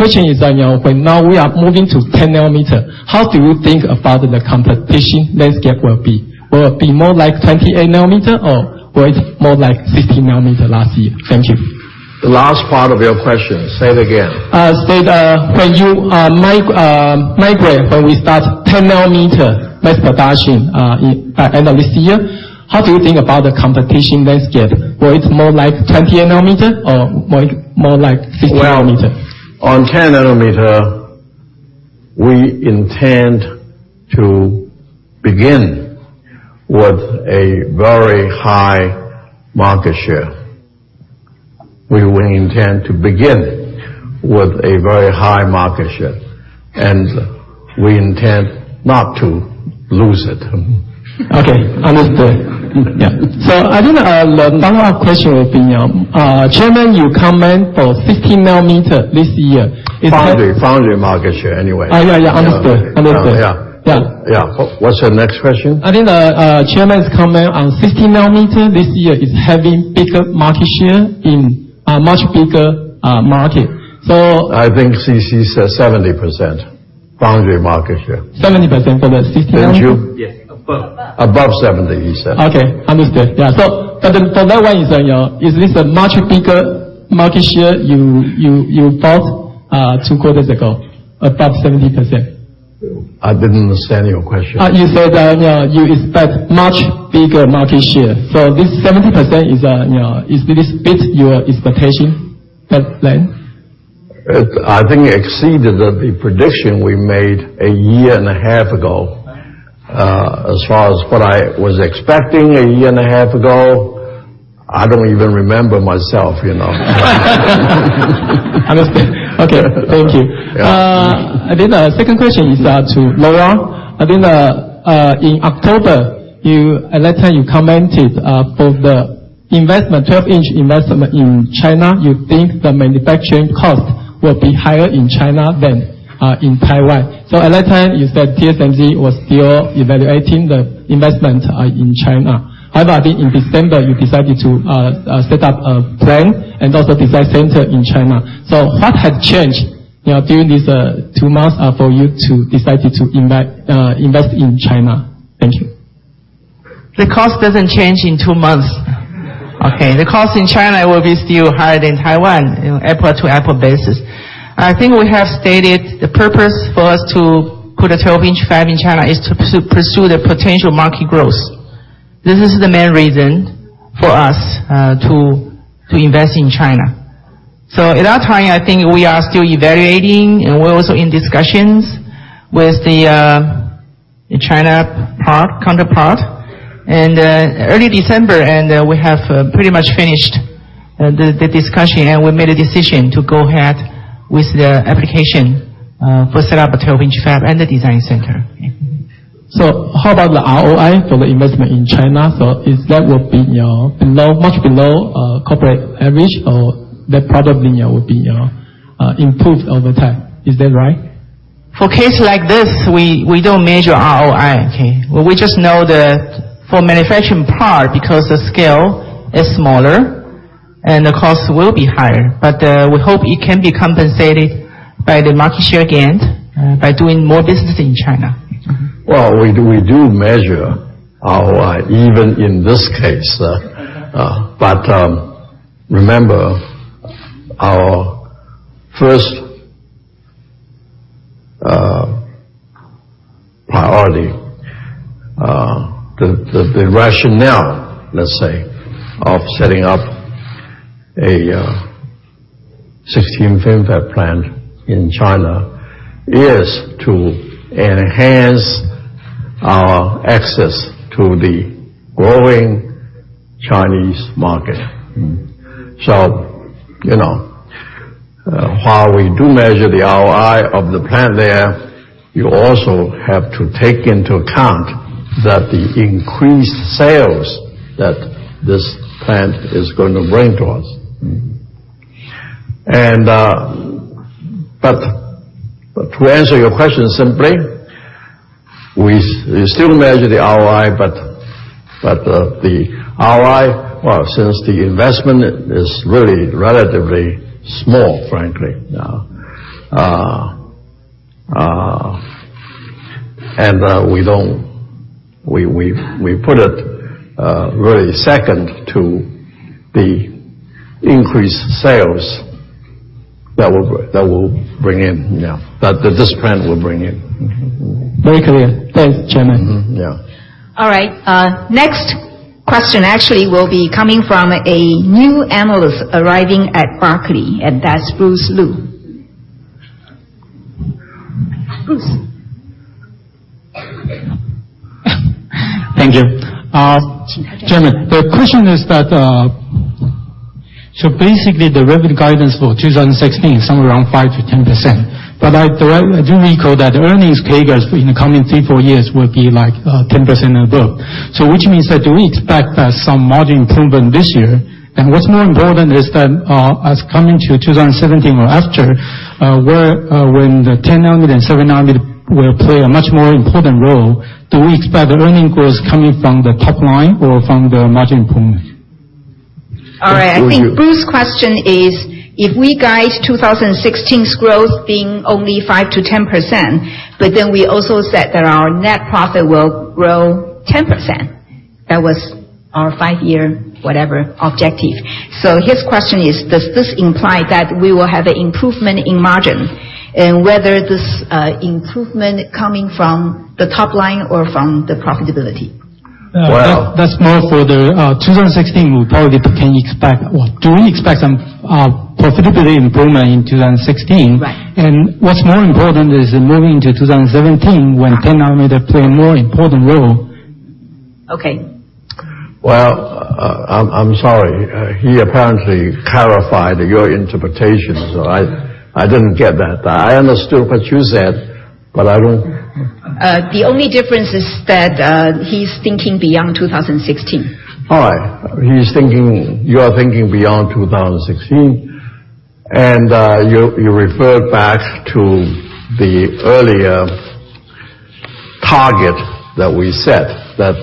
Question is, when now we are moving to 10 nanometer, how do you think about the competition landscape will be? Will it be more like 28 nanometer or was it more like 16 nanometer last year? Thank you. The last part of your question, say it again. Say it, when you migrate, when we start 10 nanometer mass production at end of this year, how do you think about the competition landscape? Was it more like 28 nanometer or more like 16 nanometer? Well, on 10 nanometer, we intend to begin with a very high market share. We intend to begin with a very high market share, we intend not to lose it. Okay. Understood. Yeah. I think the follow-up question will be, Chairman, you comment for 16 nanometer this year is that- Foundry market share, anyway. Yeah. Understood. Yeah. Yeah. What's your next question? I think the Chairman's comment on 16 nanometer this year is having bigger market share in a much bigger market. I think CC said 70% foundry market share. 70% for the 16? Did you? Yes. Above. Above 70, he said. Okay. Understood. Yeah. For that one is this a much bigger market share you thought? two quarters ago, above 70%. I didn't understand your question. This 70%, is this fit your expectation, that then? I think it exceeded the prediction we made a year and a half ago. As far as what I was expecting a year and a half ago, I don't even remember myself. Understand. Okay, thank you. Yeah. The second question is to Lora. I think in October, at that time you commented for the 12-inch investment in China, you think the manufacturing cost will be higher in China than in Taiwan. At that time you said TSMC was still evaluating the investment in China. However, I think in December you decided to set up a plant and also design center in China. What has changed during these two months for you to decided to invest in China? Thank you. The cost doesn't change in two months. Okay, the cost in China will be still higher than Taiwan, in apple-to-apple basis. I think we have stated the purpose for us to put a 12-inch fab in China is to pursue the potential market growth. This is the main reason for us to invest in China. At that time, I think we are still evaluating and we're also in discussions with the China counterpart. Early December, and we have pretty much finished the discussion, and we made a decision to go ahead with the application for set up a 12-inch fab and the design center. How about the ROI for the investment in China? Is that will be much below corporate average or that probably will be improved over time. Is that right? For case like this, we don't measure ROI, okay? We just know that for manufacturing part, because the scale is smaller and the cost will be higher. We hope it can be compensated by the market share gained by doing more business in China. We do measure ROI even in this case. Remember, our first priority, the rationale, let's say, of setting up a 16 fab plant in China is to enhance our access to the growing Chinese market. While we do measure the ROI of the plant there, you also have to take into account that the increased sales that this plant is going to bring to us. To answer your question simply, we still measure the ROI, the ROI, since the investment is really relatively small, frankly now. We put it really second to the increased sales that this plant will bring in. Very clear. Thanks, Chairman. Yeah. Next question actually will be coming from a new Analyst arriving at Barclays, and that's Bruce Lu. Thank you. Chairman, the question is that, basically the revenue guidance for 2016 is somewhere around 5%-10%, but I do recall that the earnings CAGRs in the coming three, four years will be like 10% and above. Which means that do we expect some margin improvement this year? What's more important is that as coming to 2017 or after, when the 10 nanometer and seven nanometer will play a much more important role, do we expect the earning growth coming from the top line or from the margin improvement? All right. I think Bruce's question is, if we guide 2016's growth being only 5%-10%, we also said that our net profit will grow 10%. That was our five-year whatever objective. His question is, does this imply that we will have an improvement in margin? Whether this improvement coming from the top line or from the profitability? Well- That's more for the 2016, do we expect some profitability improvement in 2016? Right. What's more important is moving to 2017 when 10 nanometer play a more important role. Okay. Well, I'm sorry. He apparently clarified your interpretation, I didn't get that. I understood what you said, I don't The only difference is that he's thinking beyond 2016. All right. You are thinking beyond 2016, and you referred back to the earlier target that we set that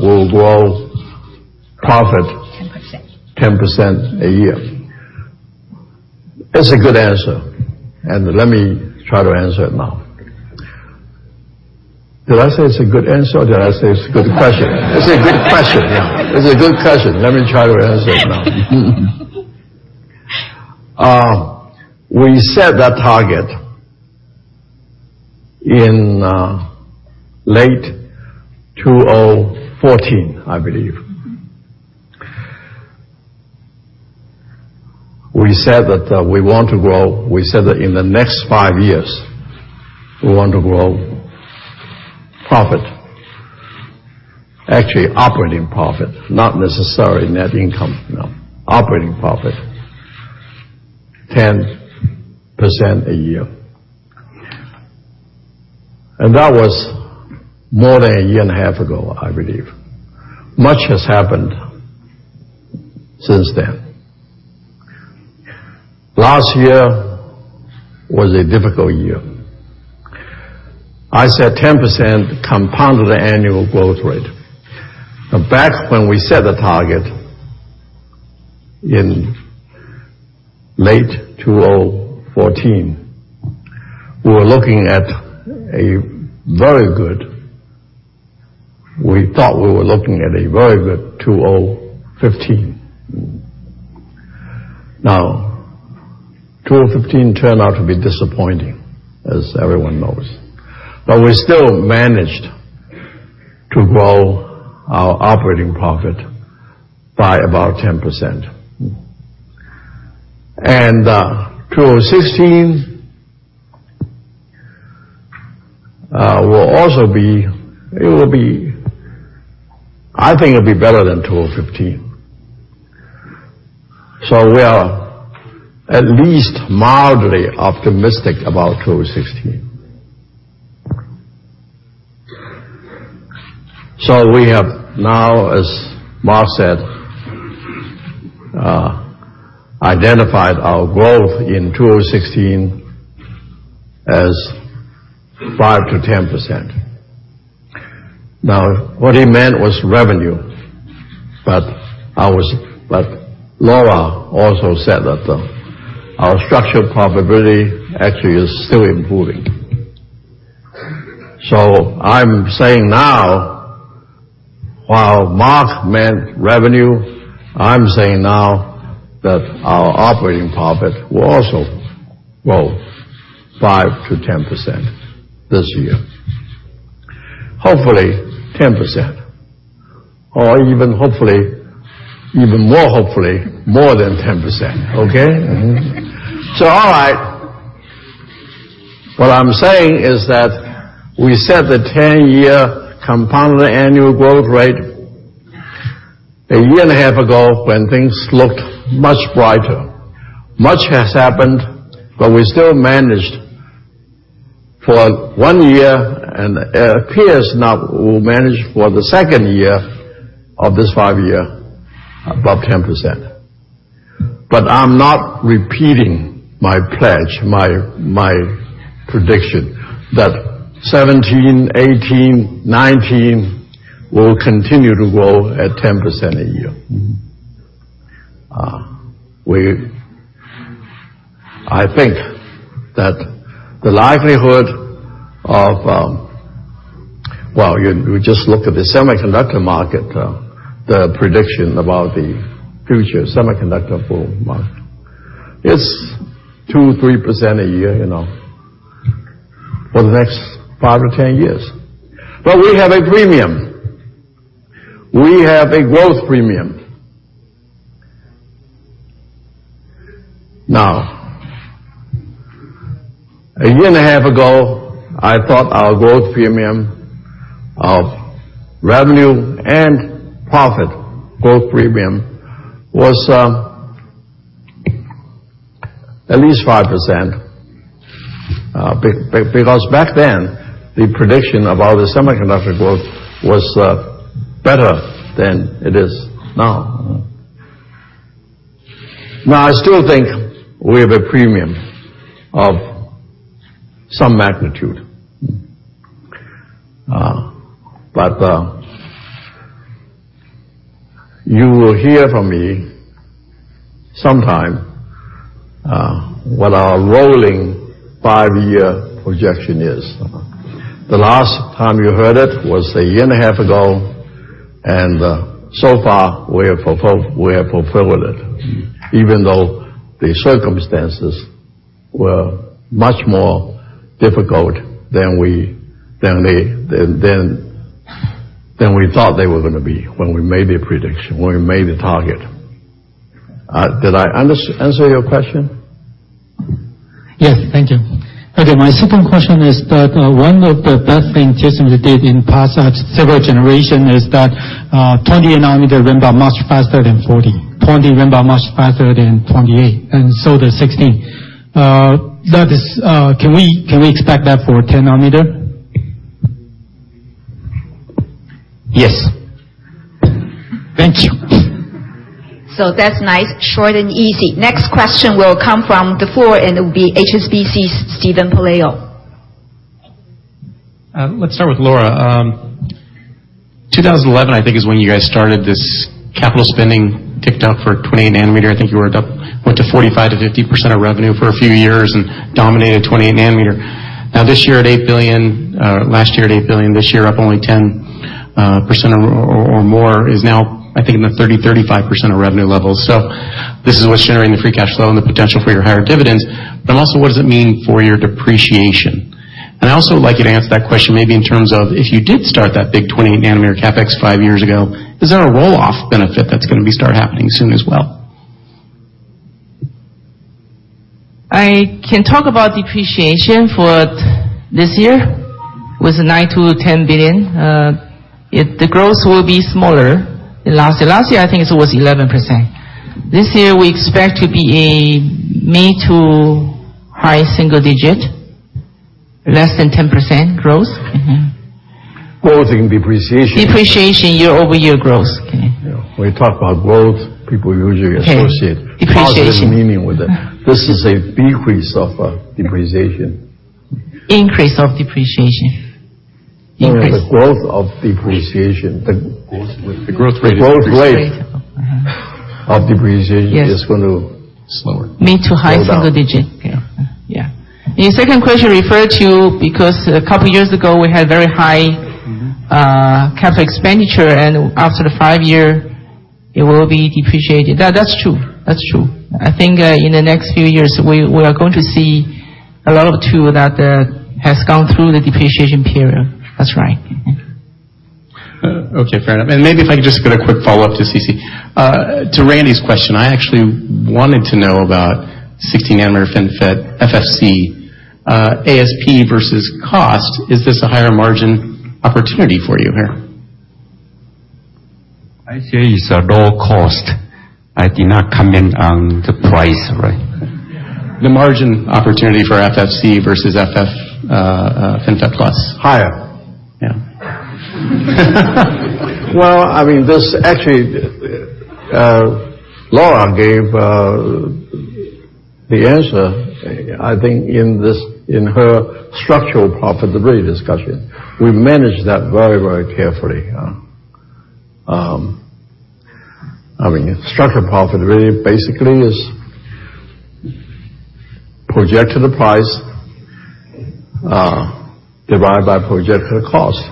we'll grow profit- 10% 10% a year. That's a good answer, let me try to answer it now. Did I say it's a good answer or did I say it's a good question? It's a good question, yeah. It's a good question. Let me try to answer it now. We set that target in late 2014, I believe. We said that in the next five years, we want to grow profit, actually operating profit, not necessarily net income, no. Operating profit 10% a year. That was more than a year and a half ago, I believe. Much has happened since then. Last year was a difficult year. I said 10% compounded annual growth rate. Back when we set the target in late 2014, we thought we were looking at a very good 2015. 2015 turned out to be disappointing, as everyone knows. We still managed to grow our operating profit by about 10%. 2016, I think it'll be better than 2015. We are at least mildly optimistic about 2016. We have now, as Mark said, identified our growth in 2016 as 5%-10%. What he meant was revenue, Lora also said that our structural profitability actually is still improving. I'm saying now, while Mark meant revenue, I'm saying now that our operating profit will also grow 5%-10% this year. Hopefully, 10%, or even more hopefully, more than 10%, okay? All right. What I'm saying is that we set the 10-year compounded annual growth rate a year and a half ago when things looked much brighter. Much has happened, we still managed for one year, and it appears now we'll manage for the second year of this five-year above 10%. I'm not repeating my pledge, my prediction, that 2017, 2018, 2019 will continue to grow at 10% a year. I think that the likelihood of you just look at the semiconductor market, the prediction about the future semiconductor pool market. It's 2%, 3% a year, you know, for the next five or 10 years. We have a premium. We have a growth premium. A year and a half ago, I thought our growth premium of revenue and profit growth premium was at least 5%, because back then, the prediction about the semiconductor growth was better than it is now. I still think we have a premium of some magnitude. You will hear from me sometime what our rolling five-year projection is. The last time you heard it was a year and a half ago, so far we have fulfilled it, even though the circumstances were much more difficult than we thought they were going to be when we made a prediction, when we made the target. Did I answer your question? Yes. Thank you. My second question is that one of the best things TSMC did in the past several generations is that 28 nanometer ran about much faster than 40 nanometer. 20 nanometer ran much faster than 28 nanometer, and so does 16 nanometer. Can we expect that for 10 nanometer? Yes. Thank you. That's nice, short, and easy. Next question will come from the floor, and it will be HSBC's Steven Pelayo. Let's start with Lora. 2011, I think, is when you guys started this capital spending, ticked up for 28 nanometer. I think you went to 45%-50% of revenue for a few years and dominated 28 nanometer. Now this year at 8 billion, last year at 8 billion, this year up only 10% or more is now, I think, in the 30%-35% of revenue levels. Also, what does it mean for your depreciation? And I also would like you to answer that question maybe in terms of if you did start that big 28 nanometer CapEx five years ago, is there a roll-off benefit that's going to start happening soon as well? I can talk about depreciation for this year with 9 billion-10 billion. The growth will be smaller than last year. Last year, I think it was 11%. This year, we expect to be a mid to high single digit, less than 10% growth. Growth in depreciation. Depreciation year-over-year growth. When you talk about growth, people usually associate. Yes. Depreciation. positive meaning with that. This is a decrease of depreciation. Increase of depreciation. Increase. No, the growth of depreciation. The growth rate of depreciation. The growth rate of depreciation is going to- Slower. Mid to high single digit. Slow down. Yeah. Yeah. Your second question referred to, because a couple of years ago, we had very high. CapEx expenditure, after the five year, it will be depreciated. That's true. I think in the next few years, we are going to see a lot of tool that has gone through the depreciation period. That's right. Okay, fair enough. Maybe if I can just get a quick follow-up to CC. To Randy's question, I actually wanted to know about 16 nanometer FinFET, FFC, ASP versus cost. Is this a higher margin opportunity for you here? I say it's a low cost. I did not comment on the price, right? The margin opportunity for FFC versus FinFET Plus. Higher. Yeah. Well, actually, Lora gave the answer, I think, in her structural profitability discussion. We managed that very carefully. Structural profitability basically is projected price divided by projected cost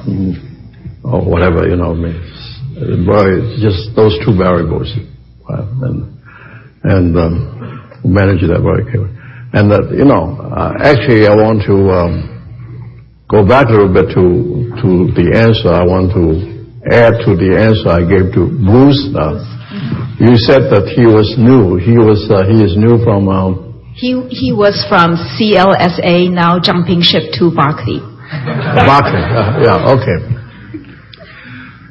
or whatever. It's just those two variables. We manage that very carefully. Actually, I want to go back a little bit to the answer. I want to add to the answer I gave to Bruce. You said that he was new. He is new from- He was from CLSA, now jumping ship to Barclays. Barclays. Yeah. Okay.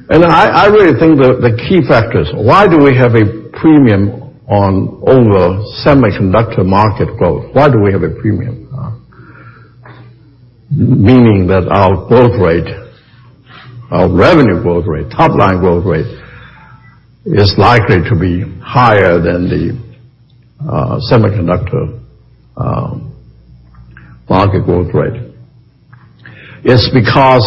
I really think the key factors, why do we have a premium over semiconductor market growth? Why do we have a premium? Meaning that our growth rate, our revenue growth rate, top line growth rate, is likely to be higher than the semiconductor market growth rate. It's because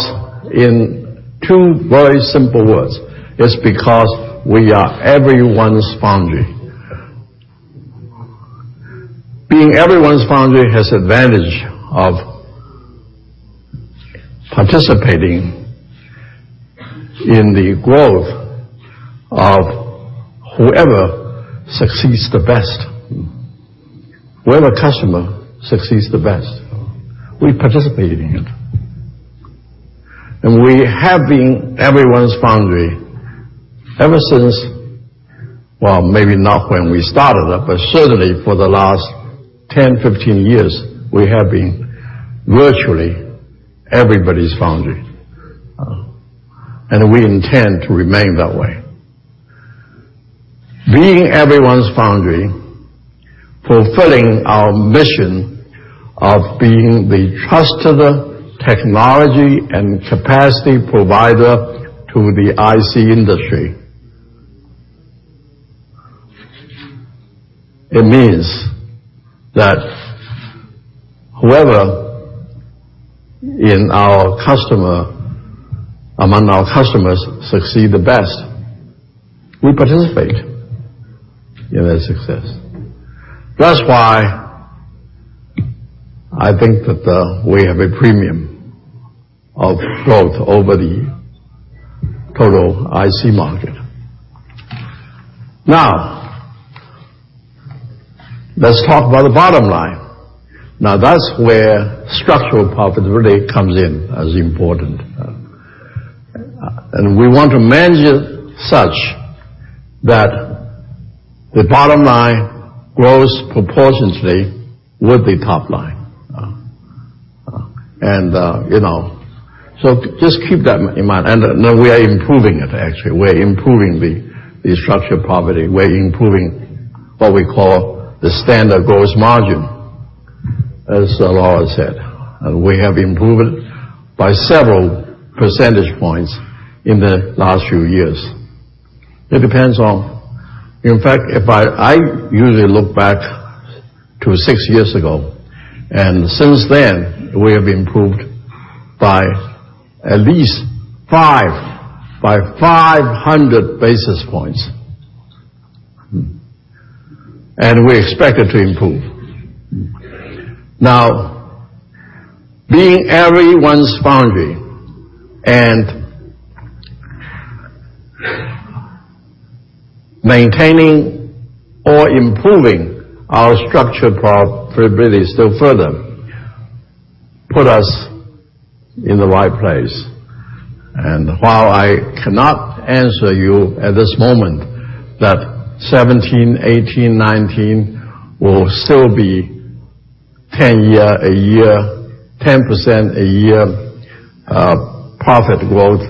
in two very simple words, it's because we are everyone's foundry. Being everyone's foundry has advantage of participating in the growth of whoever succeeds the best. Whoever customer succeeds the best, we participate in it. We have been everyone's foundry ever since Well, maybe not when we started up, but certainly for the last 10, 15 years, we have been virtually everybody's foundry. We intend to remain that way. Being everyone's foundry, fulfilling our mission of being the trusted technology and capacity provider to the IC industry. It means that whoever among our customers succeed the best, we participate in their success. That's why I think that we have a premium of growth over the total IC market. Let's talk about the bottom line. That's where structural profitability comes in as important. We want to manage it such that the bottom line grows proportionately with the top line. Just keep that in mind. We are improving it, actually. We're improving the structural profitability. We're improving what we call the standard gross margin, as Lora said. We have improved it by several percentage points in the last few years. It depends. In fact, I usually look back to six years ago, and since then, we have improved by at least 500 basis points. We expect it to improve. Being everyone's foundry and maintaining or improving our structural profitability still further, put us in the right place. While I cannot answer you at this moment that 2017, 2018, 2019 will still be 10% a year profit growth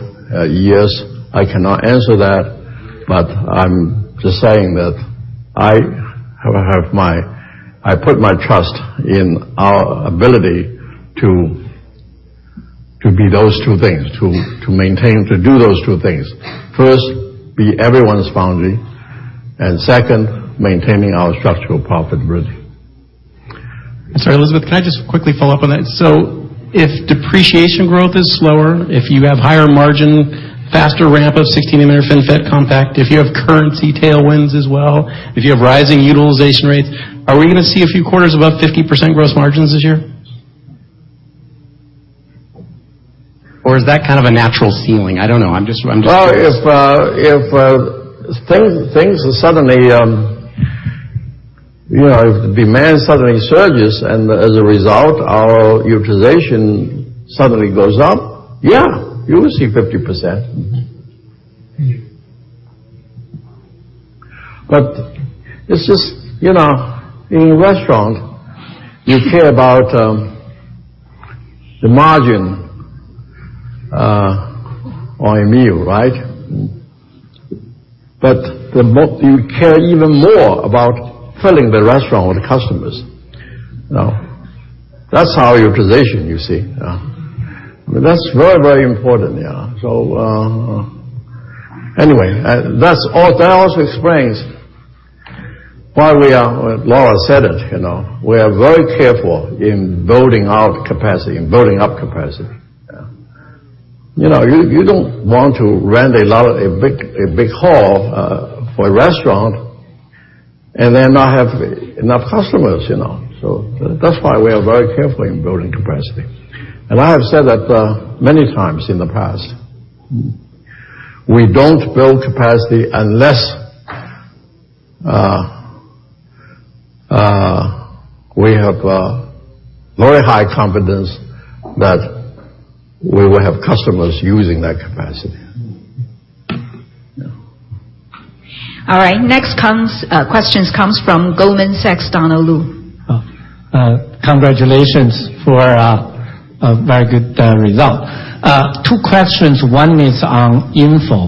years, I cannot answer that, but I'm just saying that I put my trust in our ability to do those two things. First, be everyone's foundry, and second, maintaining our structural profitability. Sorry, Elizabeth, can I just quickly follow up on that? If depreciation growth is slower, if you have higher margin, faster ramp of 16-nanometer FinFET compact, if you have currency tailwinds as well, if you have rising utilization rates, are we going to see a few quarters above 50% gross margins this year? Or is that kind of a natural ceiling? I don't know. Well, if demand suddenly surges and as a result, our utilization suddenly goes up, yeah, you will see 50%. Thank you. It's just, in a restaurant, you care about the margin on a meal, right? You care even more about filling the restaurant with customers. That's our utilization, you see. I mean, that's very, very important, yeah. That also explains why we are, Lora said it, we are very careful in building out capacity, in building up capacity. You don't want to rent a big hall for a restaurant and then not have enough customers. That's why we are very careful in building capacity. I have said that many times in the past. We don't build capacity unless we have very high confidence that we will have customers using that capacity. All right. Next question comes from Goldman Sachs, Donna Lu. Congratulations for a very good result. Two questions. One is on InFO.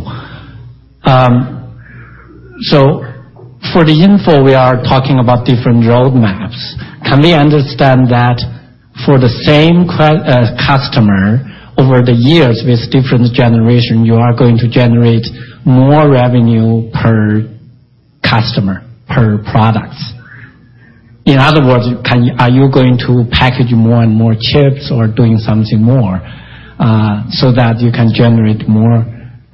For the InFO, we are talking about different roadmaps. Can we understand that for the same customer over the years with different generation, you are going to generate more revenue per customer, per product? In other words, are you going to package more and more chips or doing something more, so that you can generate more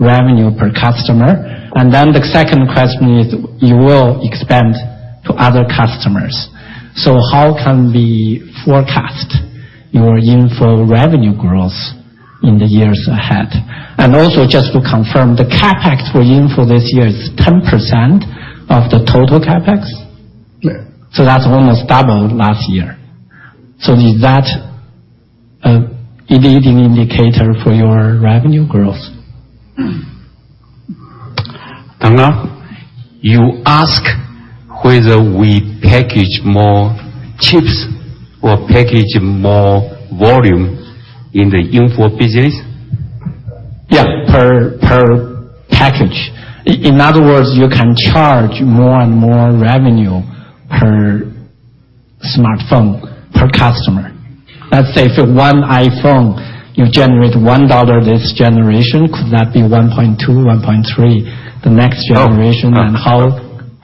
revenue per customer? The second question is, you will expand to other customers. How can we forecast your InFO revenue growth in the years ahead? Just to confirm, the CapEx for InFO this year is 10% of the total CapEx? Yeah. That's almost double last year. Is that a leading indicator for your revenue growth? Donna, you ask whether we package more chips or package more volume in the InFO business? Yeah, per package. In other words, you can charge more and more revenue per smartphone, per customer. Let's say for one iPhone, you generate 1 dollar this generation, could that be 1.2, 1.3 the next generation? How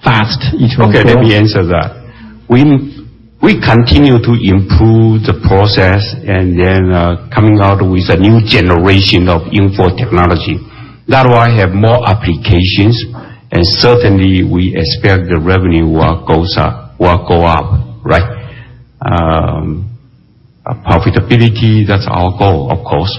fast it will grow? Okay, let me answer that. We continue to improve the process and then coming out with a new generation of InFO technology. That way, I have more applications, and certainly, we expect the revenue will go up, right? Profitability, that's our goal, of course.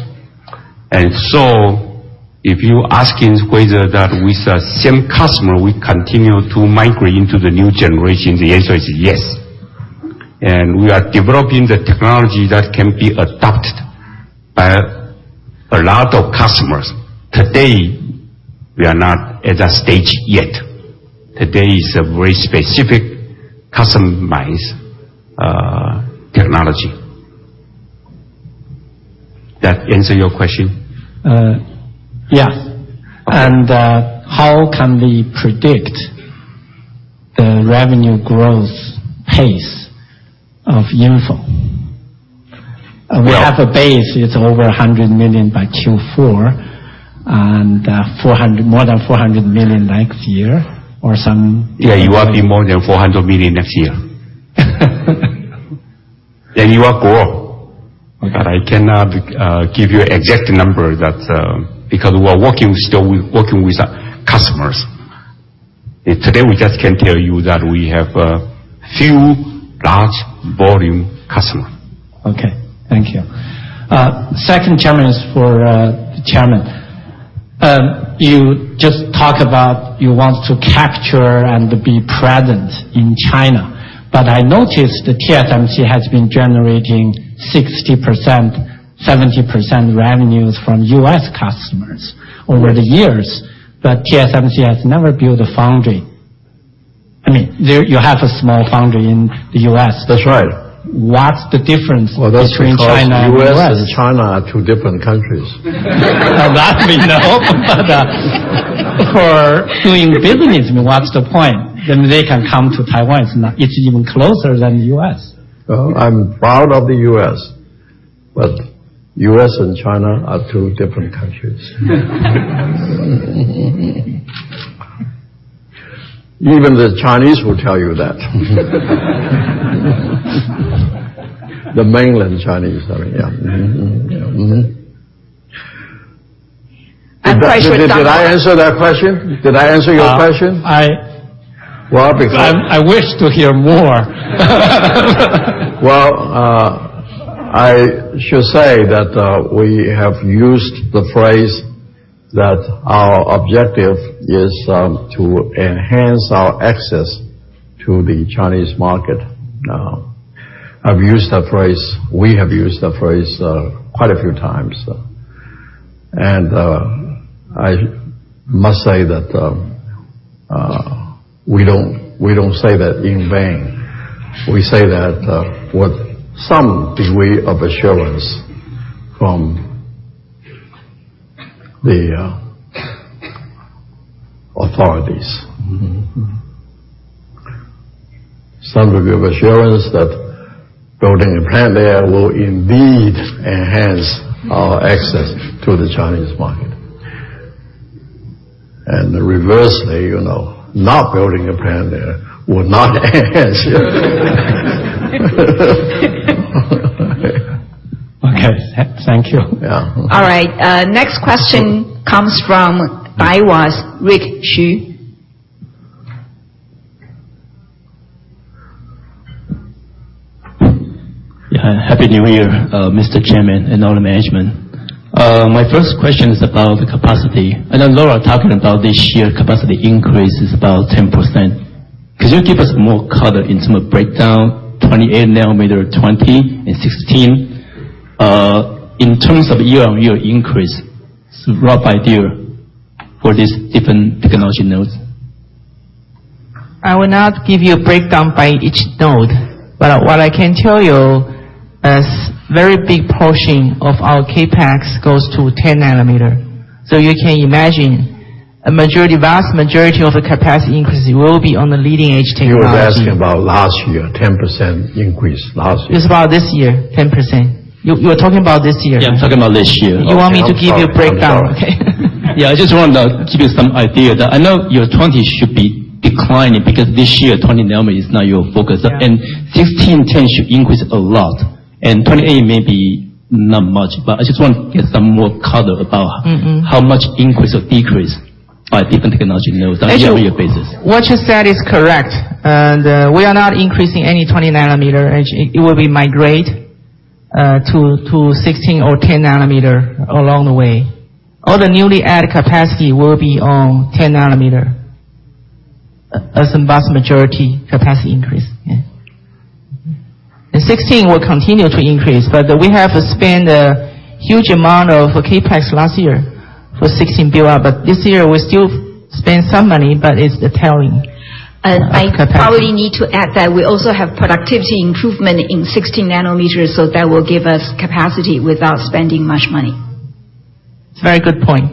If you asking whether that with the same customer, we continue to migrate into the new generation, the answer is yes. We are developing the technology that can be adopted by a lot of customers. Today, we are not at that stage yet. Today is a very specific customized technology. That answer your question? Yes. How can we predict the revenue growth pace of InFO? We have a base, it's over 100 million by Q4, and more than 400 million next year. Yeah, it will be more than 400 million next year. You are poor. Okay. I cannot give you exact number because we're still working with the customers. Today, we just can tell you that we have a few large volume customers. Okay. Thank you. Second question is for the Chairman. You just talked about you want to capture and be present in China. I noticed that TSMC has been generating 60%, 70% revenues from U.S. customers over the years. TSMC has never built a foundry. I mean, you have a small foundry in the U.S. That's right. What's the difference between China and the U.S.? Well, that's because U.S. and China are two different countries. Well, that we know. For doing business, what's the point? They can come to Taiwan. It's even closer than the U.S. Well, I'm proud of the U.S., U.S. and China are two different countries. Even the Chinese will tell you that. The mainland Chinese, I mean. Yeah. That question- Did I answer that question? Did I answer your question? I- Well. I wish to hear more. Well, I should say that, we have used the phrase that our objective is to enhance our access to the Chinese market. I've used that phrase, we have used that phrase quite a few times. I must say that we don't say that in vain. We say that with some degree of assurance from the authorities. Some degree of assurance that building a plant there will indeed enhance our access to the Chinese market. Reversely, not building a plant there will not enhance it. Okay. Thank you. Yeah. All right. Next question comes from Daiwa, Rick Xu. Yeah. Happy New Year, Mr. Chairman and all the management. My first question is about the capacity. I know Lora talking about this year capacity increase is about 10%. Could you give us more color in term of breakdown, 28 nanometer, 20 and 16, in terms of year-on-year increase, rough idea for these different technology nodes? I will not give you a breakdown by each node. What I can tell you is, very big portion of our CapEx goes to 10 nanometer. You can imagine a vast majority of the capacity increase will be on the leading-edge technology. He was asking about last year, 10% increase last year. It's about this year, 10%. You're talking about this year. Yeah, I'm talking about this year. You want me to give you a breakdown, okay. Yeah, I just want to give you some idea that I know your 20 should be declining because this year 20 nanometer is not your focus. Yeah. 16, 10 should increase a lot. 28 maybe not much, but I just want to get some more color. how much increase or decrease by different technology nodes on a year-on-year basis. Actually, what you said is correct, and we are not increasing any 20 nanometer. It will migrate to 16 or 10 nanometer along the way. All the newly added capacity will be on 10 nanometer as in vast majority capacity increase. Yeah. 16 will continue to increase, but we have to spend a huge amount of CapEx last year for 16 build-up. This year we still spend some money, but it's a tailing capacity. I probably need to add that we also have productivity improvement in 16 nanometers, so that will give us capacity without spending much money. It's a very good point.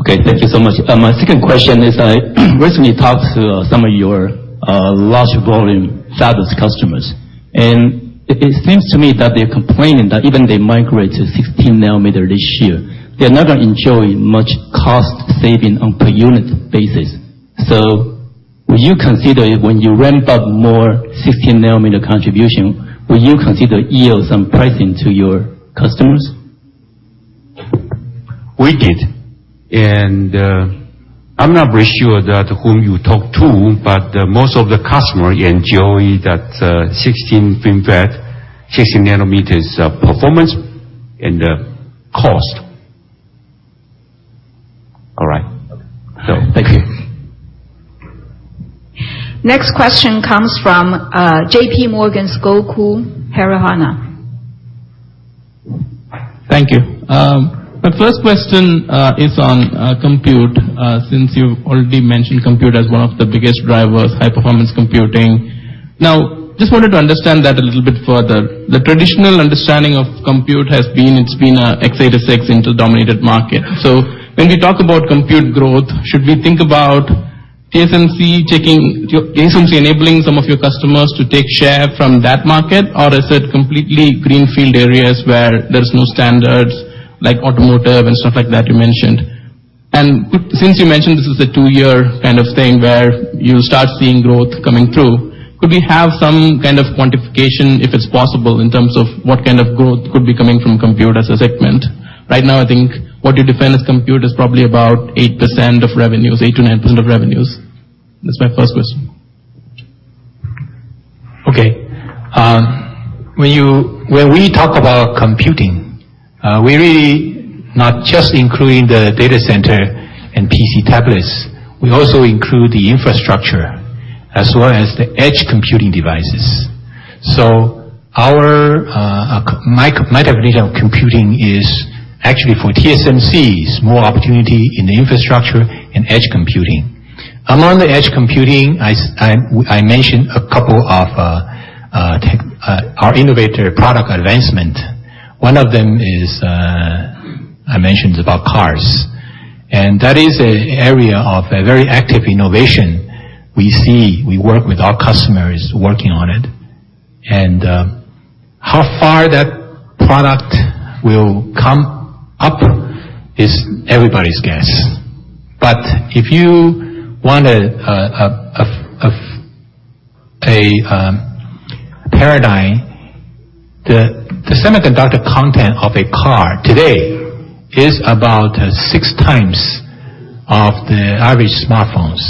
Okay. Thank you so much. My second question is, I recently talked to some of your large volume fabless customers. It seems to me that they're complaining that even they migrate to 16 nanometer this year, they're not enjoying much cost saving on per unit basis. Would you consider when you ramp up more 16 nanometer contribution, will you consider yield some pricing to your customers? We did. I'm not very sure that whom you talk to, but most of the customer enjoy that 16 FinFET, 16 nanometers performance and cost. All right. Okay. Thank you. Next question comes from J.P. Morgan's Gokul Hariharan. Thank you. My first question is on compute, since you've already mentioned compute as one of the biggest drivers, high-performance computing. Just wanted to understand that a little bit further. The traditional understanding of compute has been, it's been a x86 Intel-dominated market. When we talk about compute growth, should we think about TSMC enabling some of your customers to take share from that market? Is it completely greenfield areas where there's no standards, like automotive and stuff like that you mentioned. Since you mentioned this is a two-year kind of thing where you start seeing growth coming through, could we have some kind of quantification, if it's possible, in terms of what kind of growth could be coming from compute as a segment? Right now, I think what you define as compute is probably about 8% of revenues, 8%-9% of revenues. That's my first question. Okay. When we talk about computing, we really not just including the data center and PC tablets, we also include the infrastructure as well as the edge computing devices. My definition of computing is actually for TSMC, is more opportunity in the infrastructure and edge computing. Among the edge computing, I mentioned a couple of our innovator product advancement. One of them is, I mentioned about cars, and that is an area of a very active innovation. We work with our customers working on it. How far that product will come up is everybody's guess. If you want a paradigm, the semiconductor content of a car today is about six times of the average smartphones.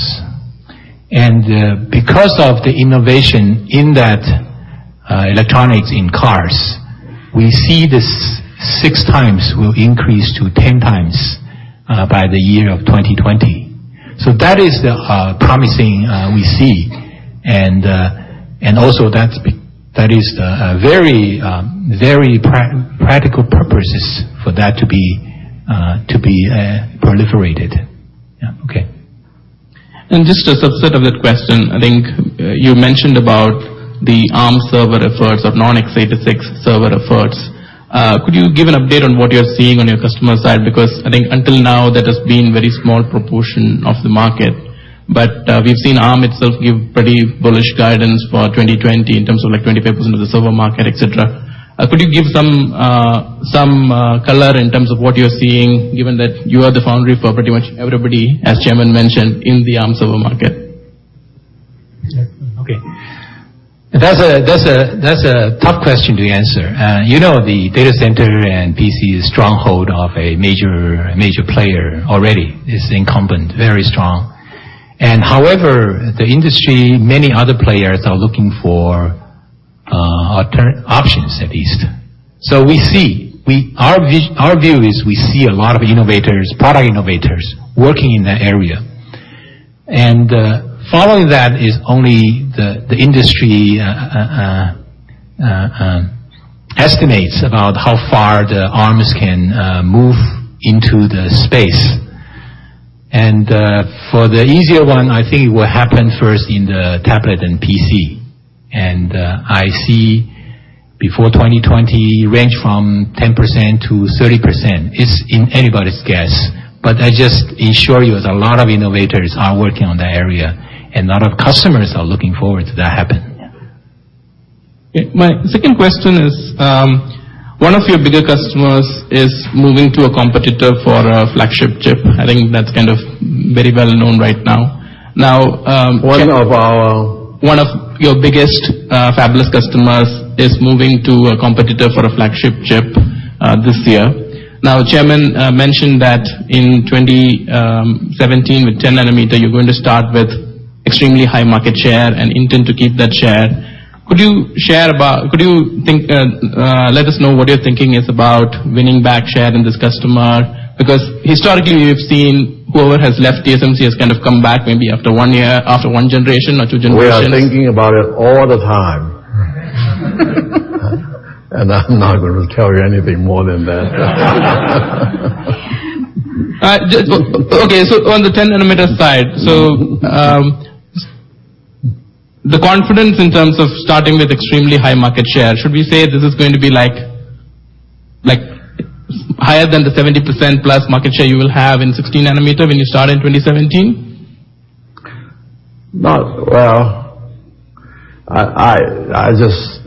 Because of the innovation in that electronics in cars, we see this six times will increase to 10 times by the year of 2020. That is the promising we see. Also that is the very practical purposes for that to be proliferated. Yeah. Okay. Just a subset of that question, I think you mentioned about the ARM server efforts of non-x86 server efforts. Could you give an update on what you're seeing on your customer side? I think until now, that has been very small proportion of the market. We've seen ARM itself give pretty bullish guidance for 2020 in terms of like 25% of the server market, et cetera. Could you give some color in terms of what you're seeing given that you are the foundry for pretty much everybody, as chairman mentioned, in the ARM server market? Okay. That's a tough question to answer. You know, the data center and PC is stronghold of a major player already. It's incumbent, very strong. However, the industry, many other players are looking for options at least. Our view is we see a lot of innovators, product innovators, working in that area. Following that is only the industry estimates about how far the ARMs can move into the space. For the easier one, I think it will happen first in the tablet and PC. I see before 2020 range from 10% to 30%. It's anybody's guess, but I just assure you a lot of innovators are working on that area, and a lot of customers are looking forward to that happen. Yeah. My second question is, one of your bigger customers is moving to a competitor for a flagship chip. I think that's very well known right now. One of our One of your biggest fabless customers is moving to a competitor for a flagship chip this year. Chairman mentioned that in 2017 with 10 nanometer, you're going to start with extremely high market share and intend to keep that share. Could you let us know what your thinking is about winning back share in this customer? Because historically, we've seen whoever has left TSMC has kind of come back maybe after one year, after one generation or two generations. We are thinking about it all the time. I'm not going to tell you anything more than that. On the 10 nanometer side. The confidence in terms of starting with extremely high market share, should we say this is going to be higher than the 70% plus market share you will have in 16 nanometer when you start in 2017? Well, I just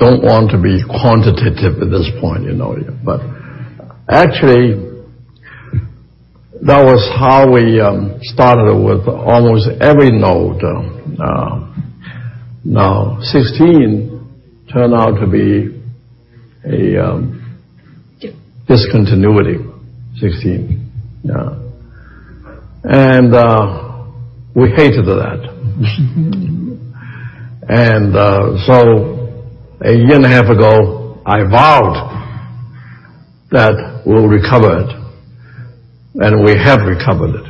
don't want to be quantitative at this point. Actually, that was how we started with almost every node. 16 turned out to be a discontinuity, 16. We hated that. A year and a half ago, I vowed that we'll recover it, and we have recovered it.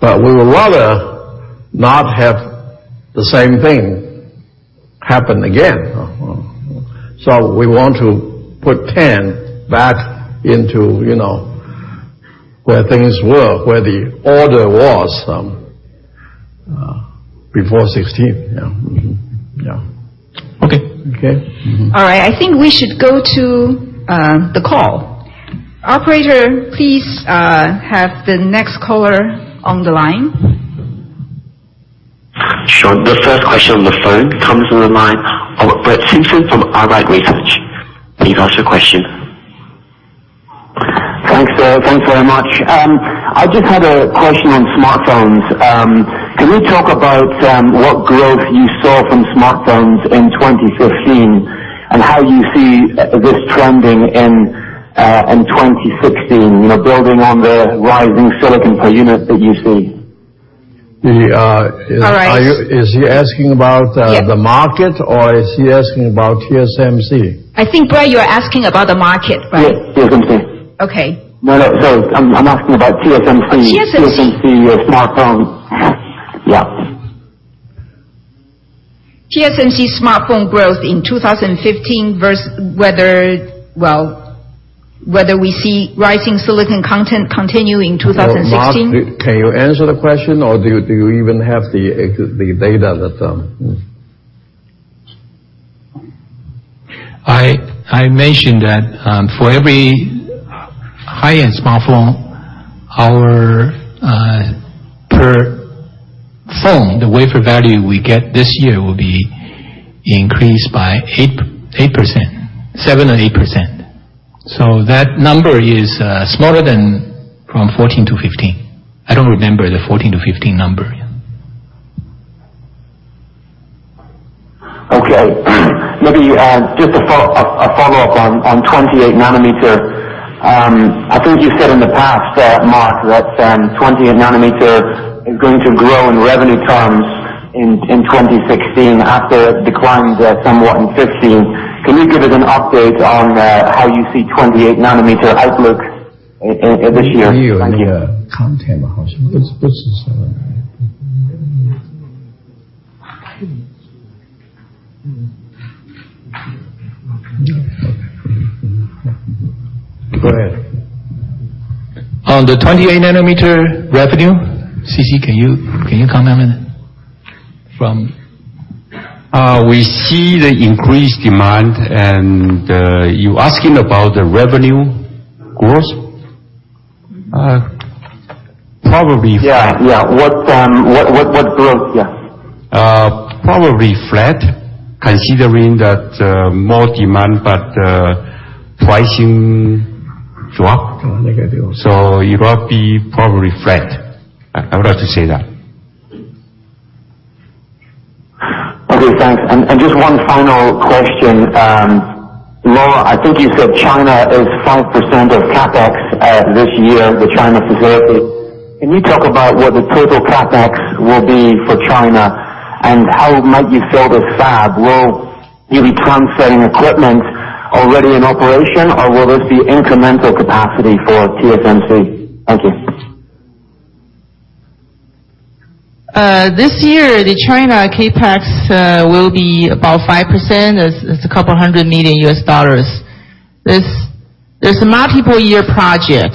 We would rather not have the same thing happen again. We want to put 10 back into where things were, where the order was Before '16. Yeah. Mm-hmm. Okay. Okay? Mm-hmm. All right. I think we should go to the call. Operator, please have the next caller on the line. Sure. The first question on the phone comes from the line of Brett Simpson from Arete Research. Please ask your question. Thanks very much. I just had a question on smartphones. Can we talk about what growth you saw from smartphones in 2015, and how you see this trending in 2016, building on the rising silicon per unit that you see? Is he asking about- All right the market or is he asking about TSMC? I think, Brett, you're asking about the market, right? Yes, TSMC. Okay. No, no, sorry. I'm asking about TSMC. Oh, TSMC. TSMC smartphone. Yeah. TSMC smartphone growth in 2015, whether we see rising silicon content continue in 2016? Mark, can you answer the question or do you even have the data? I mentioned that for every high-end smartphone, our per phone, the wafer value we get this year will be increased by 7% or 8%. That number is smaller than from 2014 to 2015. I don't remember the 2014 to 2015 number. Okay. Maybe just a follow-up on 28 nanometer. I think you said in the past, Mark, that 28 nanometer is going to grow in revenue terms in 2016 after it declines somewhat in 2015. Can you give us an update on how you see 28 nanometer outlook this year? Thank you. Go ahead. On the 28 nanometer revenue, CC, can you comment on it? We see the increased demand. You're asking about the revenue growth? Probably. Yeah. What growth, yeah. Probably flat, considering that more demand but pricing drop. It will be probably flat. I would like to say that. Okay, thanks. Just one final question. Lora, I think you said China is 5% of CapEx this year, the China facility. Can you talk about what the total CapEx will be for China, and how might you fill this fab? Will you be transferring equipment already in operation, or will this be incremental capacity for TSMC? Thank you. This year, the China CapEx will be about 5%. It's a couple hundred million U.S. dollars. It's a multiple-year project,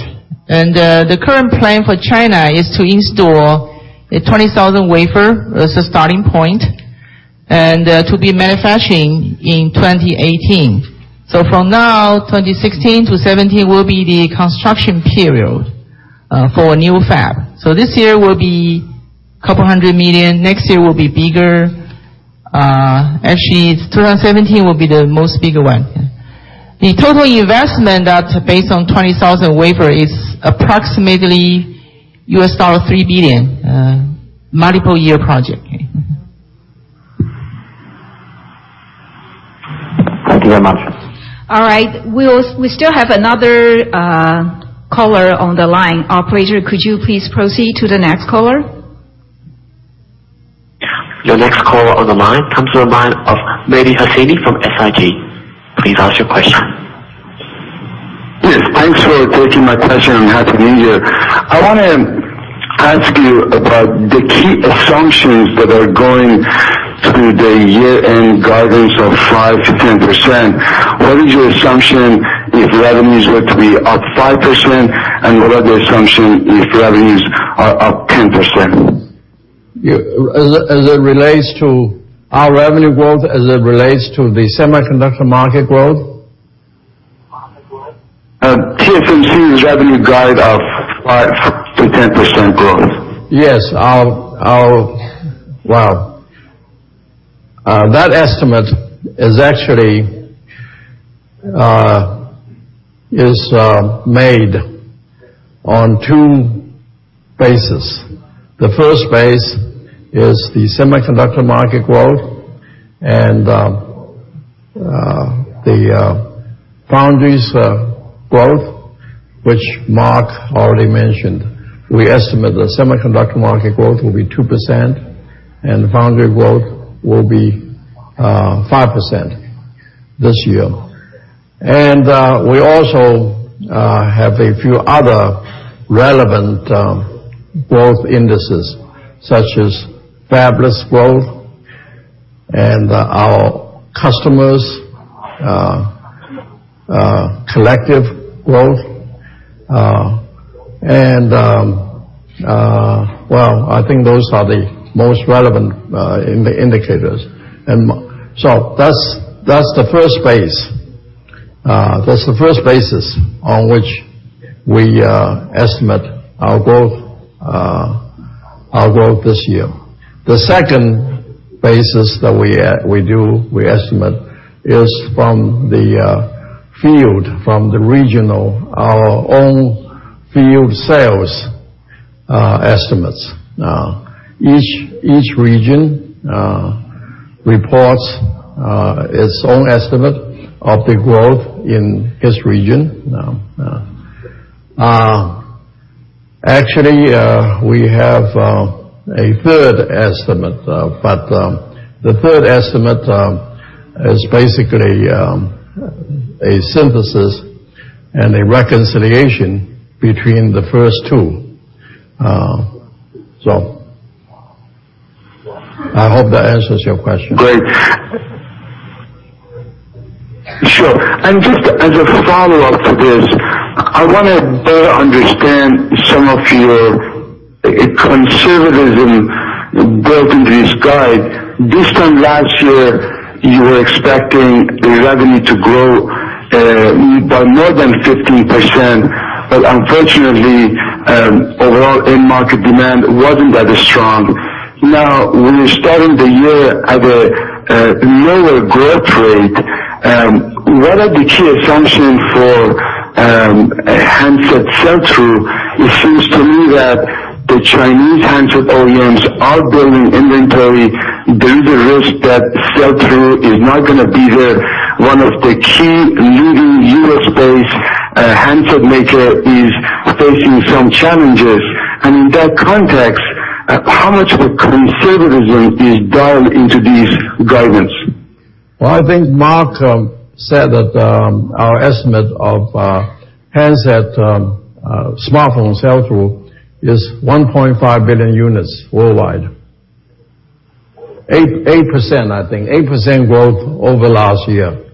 and the current plan for China is to install a 20,000 wafer as a starting point, and to be manufacturing in 2018. From now, 2016 to 2017 will be the construction period for a new fab. This year will be a couple hundred million. Next year will be bigger. Actually, 2017 will be the most bigger one. The total investment that's based on 20,000 wafer is approximately $3 billion. A multiple-year project. Thank you very much. All right. We still have another caller on the line. Operator, could you please proceed to the next caller? Your next caller on the line comes from the line of Mehdi Hosseini from SIG. Please ask your question. Yes, thanks for taking my question, and happy new year. I want to ask you about the key assumptions that are going to the year-end guidance of 5%-10%. What is your assumption if revenues were to be up 5%, and what are the assumption if revenues are up 10%? As it relates to our revenue growth, as it relates to the semiconductor market growth? Market growth. TSMC's revenue guide of 5%-10% growth. Yes. That estimate is actually made on two bases. The first base is the semiconductor market growth and the foundries growth, which Mark already mentioned. We estimate the semiconductor market growth will be 2% and foundry growth will be 5% this year. We also have a few other relevant growth indices, such as fabless growth and our customers' collective growth. Well, I think those are the most relevant indicators. That's the first base. That's the first basis on which we estimate our growth this year. The second basis that we estimate is from the field, our own field sales estimates. Now, each region reports its own estimate of the growth in its region. Actually, we have a third estimate, the third estimate is basically a synthesis and a reconciliation between the first two. I hope that answers your question. Great. Sure. Just as a follow-up to this, I want to better understand some of your conservatism built into this guide. This time last year, you were expecting the revenue to grow by more than 15%, but unfortunately, overall end market demand wasn't that strong. Now we're starting the year at a lower growth rate. What are the key assumptions for handset sell-through? It seems to me that the Chinese handset OEMs are building inventory. There is a risk that sell-through is not going to be there. One of the key leading U.S.-based handset maker is facing some challenges. In that context, how much of a conservatism is dialed into these guidance? Well, I think Mark said that our estimate of handset smartphone sell-through is 1.5 billion units worldwide. 8%, I think. 8% growth over last year.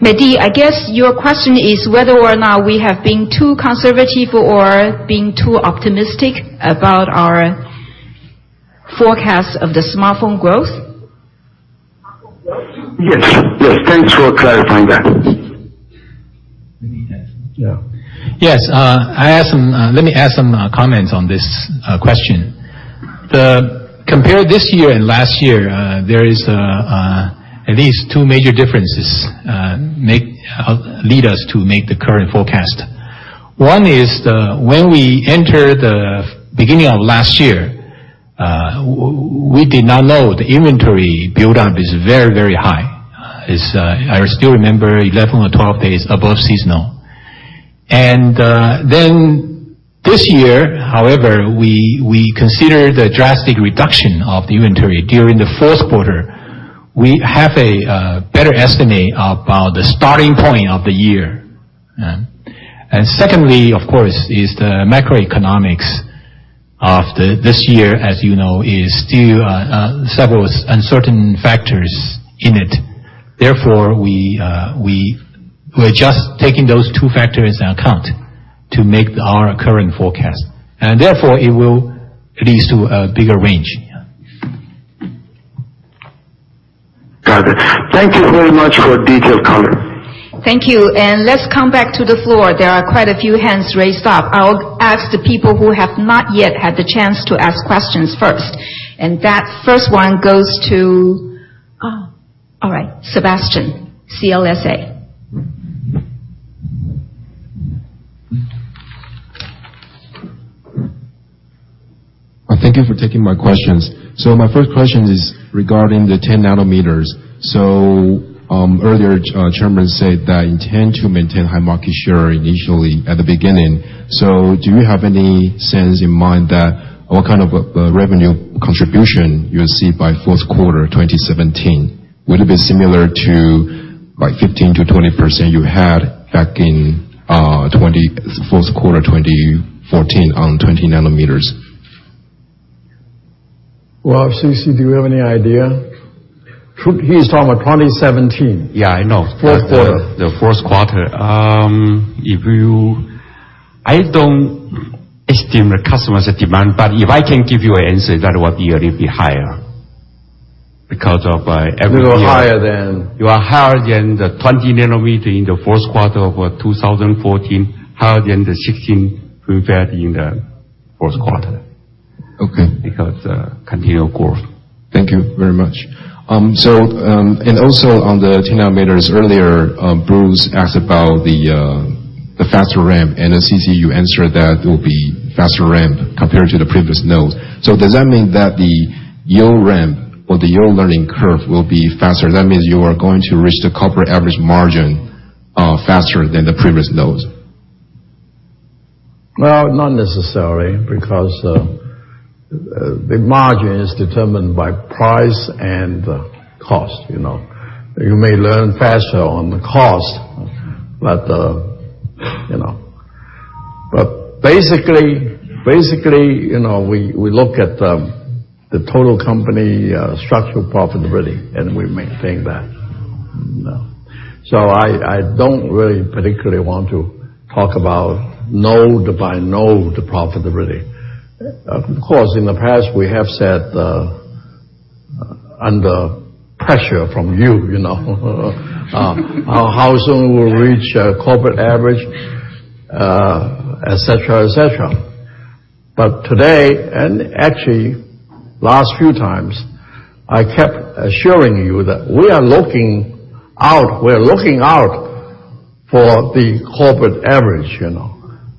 Mehdi, I guess your question is whether or not we have been too conservative or been too optimistic about our forecast of the smartphone growth. Yes. Yes. Thanks for clarifying that. Mehdi, yes. Yes. Let me add some comments on this question. Compare this year and last year, there is at least two major differences lead us to make the current forecast. One is when we entered the beginning of last year, we did not know the inventory buildup is very, very high. I still remember 11 or 12 days above seasonal. This year, however, we consider the drastic reduction of the inventory during the fourth quarter. We have a better estimate about the starting point of the year. Secondly, of course, is the macroeconomics of this year, as you know, is still several uncertain factors in it. Therefore, we're just taking those two factors into account to make our current forecast. Therefore, it will lead to a bigger range. Yeah. Got it. Thank you very much for detailed comment. Thank you. Let's come back to the floor. There are quite a few hands raised up. I'll ask the people who have not yet had the chance to ask questions first, that first one goes to Oh, all right, Sebastian, CLSA. Thank you for taking my questions. My first question is regarding the 10 nanometer. Earlier, Chairman said that intend to maintain high market share initially at the beginning. Do you have any sense in mind that what kind of revenue contribution you'll see by fourth quarter 2017? Will it be similar to 15%-20% you had back in fourth quarter 2014 on 20 nanometer? Well, C.C., do you have any idea? He's talking about 2017. Yeah, I know. Fourth quarter. The fourth quarter. I don't estimate customers' demand, but if I can give you an answer, that would be a little bit higher. Because of every year- Will higher than- Will higher than the 20 nanometer in the fourth quarter of 2014, higher than the 16 we've had in the fourth quarter. Okay. Because continued growth. Thank you very much. Also on the 10 nanometer, earlier, Bruce asked about the faster ramp, CC, you answered that it will be faster ramp compared to the previous nodes. Does that mean that the yield ramp or the yield learning curve will be faster? That means you are going to reach the corporate average margin faster than the previous nodes. Well, not necessary because the margin is determined by price and cost. You may learn faster on the cost. Basically, we look at the total company structural profitability, we maintain that. I don't really particularly want to talk about node by node profitability. Of course, in the past, we have said, under pressure from you, how soon we'll reach corporate average, et cetera. Today, actually last few times, I kept assuring you that we are looking out for the corporate average.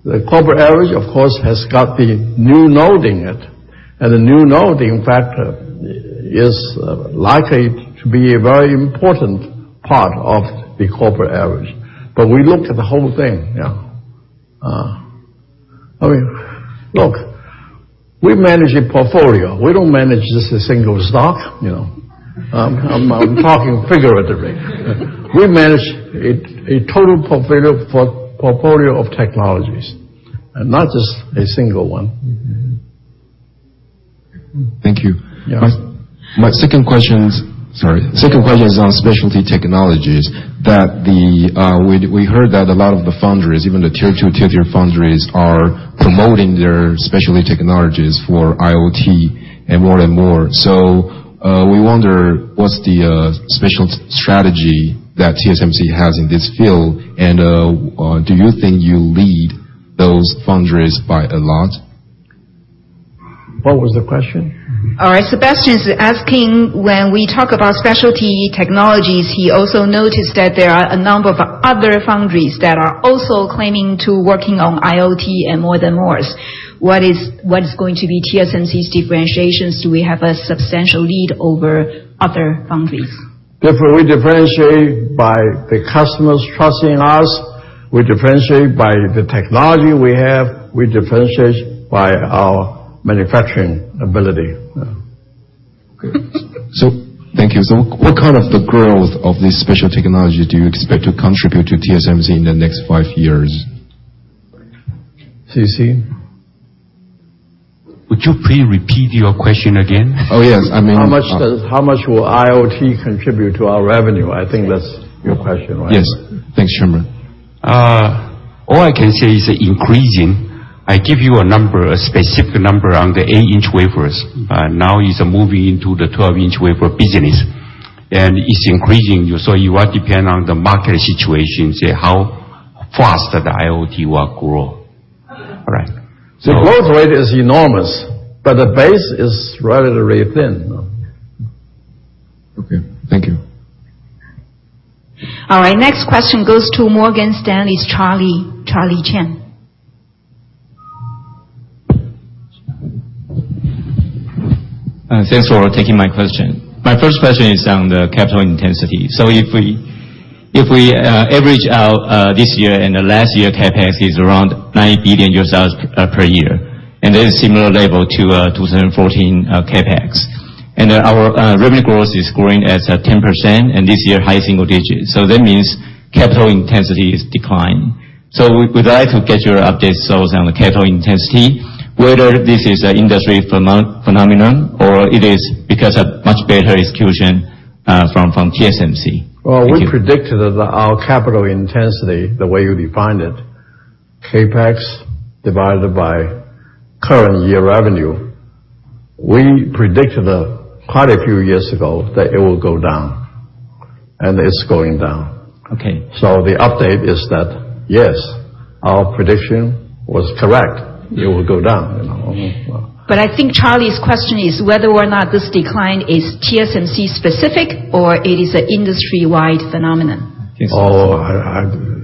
The corporate average, of course, has got the new node in it, the new node, in fact, is likely to be a very important part of the corporate average. We look at the whole thing. I mean, look, we manage a portfolio. We don't manage just a single stock. I'm talking figuratively. We manage a total portfolio of technologies not just a single one. Thank you. Yeah. My second question is on specialty technologies. We heard that a lot of the foundries, even the tier 2, tier 3 foundries, are promoting their specialty technologies for IoT and more and more. We wonder what's the special strategy that TSMC has in this field, and do you think you lead those foundries by a lot? What was the question? All right. Sebastian's asking, when we talk about specialty technologies, he also noticed that there are a number of other foundries that are also claiming to working on IoT and more and more. What is going to be TSMC's differentiations? Do we have a substantial lead over other foundries? We differentiate by the customers trusting us, we differentiate by the technology we have, we differentiate by our manufacturing ability. Thank you. What kind of the growth of this special technology do you expect to contribute to TSMC in the next five years? CC? Would you please repeat your question again? Yes. I mean How much will IoT contribute to our revenue? I think that's your question, right? Yes. Thanks, Chairman. All I can say is increasing. I give you a number, a specific number on the 8-inch wafers. Now it's moving into the 12-inch wafer business, and it's increasing. You will depend on the market situation, say, how fast the IoT will grow. All right. The growth rate is enormous, the base is relatively thin. Okay. Thank you. All right. Next question goes to Morgan Stanley's Charlie Chan. Thanks for taking my question. My first question is on the capital intensity. If we average out this year and the last year, CapEx is around $9 billion per year, and that is similar level to 2014 CapEx. Our revenue growth is growing at 10%, and this year high single digits. That means capital intensity is decline. We would like to get your updates also on the capital intensity, whether this is a industry phenomenon or it is because of much better execution from TSMC. Well, we predicted that our capital intensity, the way you defined it, CapEx divided by current year revenue. We predicted quite a few years ago that it will go down, and it's going down. Okay. The update is that, yes, our prediction was correct. It will go down. I think Charlie's question is whether or not this decline is TSMC specific or it is an industry-wide phenomenon. Industry-wide.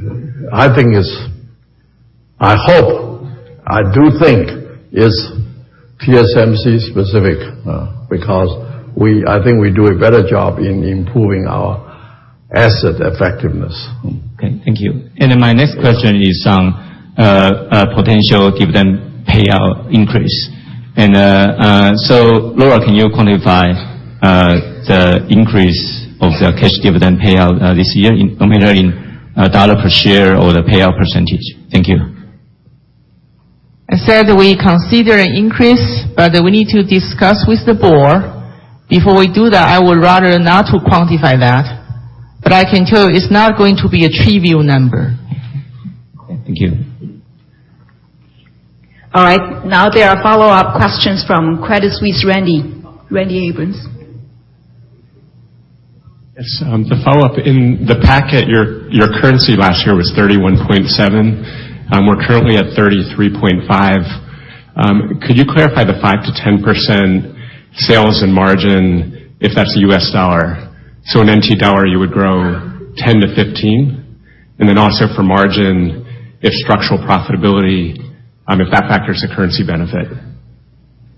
I hope, I do think is TSMC specific, because I think we do a better job in improving our asset effectiveness. Okay. Thank you. My next question is on potential dividend payout increase. So Laura, can you quantify the increase of the cash dividend payout this year, either in a TWD per share or the payout percentage? Thank you. I said we consider an increase, but we need to discuss with the board. Before we do that, I would rather not to quantify that, but I can tell you it's not going to be a trivial number. Okay. Thank you. All right. There are follow-up questions from Credit Suisse, Randy Abrams. Yes. To follow up, in the packet, your currency last year was 31.7. We're currently at 33.5. Could you clarify the 5%-10% sales and margin if that's the U.S. dollar? In TWD, you would grow 10%-15%? Also for margin, if structural profitability, if that factors the currency benefit.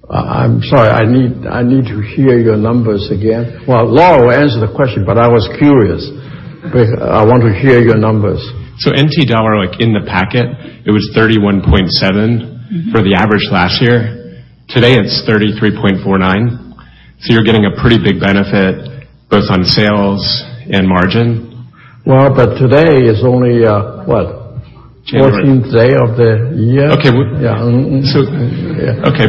I'm sorry. I need to hear your numbers again. Well, Lora will answer the question, but I was curious. I want to hear your numbers. TWD, in the packet, it was 31.7 for the average last year. Today it's 33.49. You're getting a pretty big benefit both on sales and margin. Well, today is only, what? January. 14th day of the year. Okay. Yeah. okay.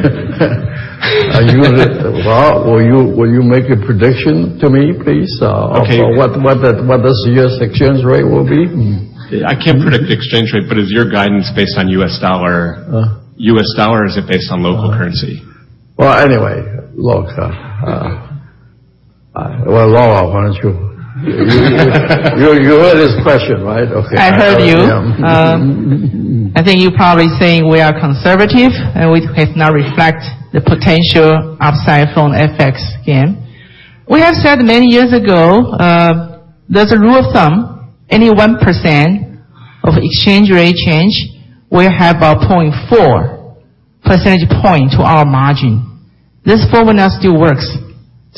Well, will you make a prediction to me, please? Okay. Of what this year's exchange rate will be? I can't predict the exchange rate, is your guidance based on U.S. dollar? Uh- US dollar, or is it based on local currency? Well, anyway, look. Well, Lora, why don't you? You heard his question, right? Okay. I heard you. Yeah. I think you're probably saying we are conservative, we cannot reflect the potential upside from FX gain. We have said many years ago, there's a rule of thumb, any 1% of exchange rate change, we have a 0.4 percentage point to our margin. This formula still works.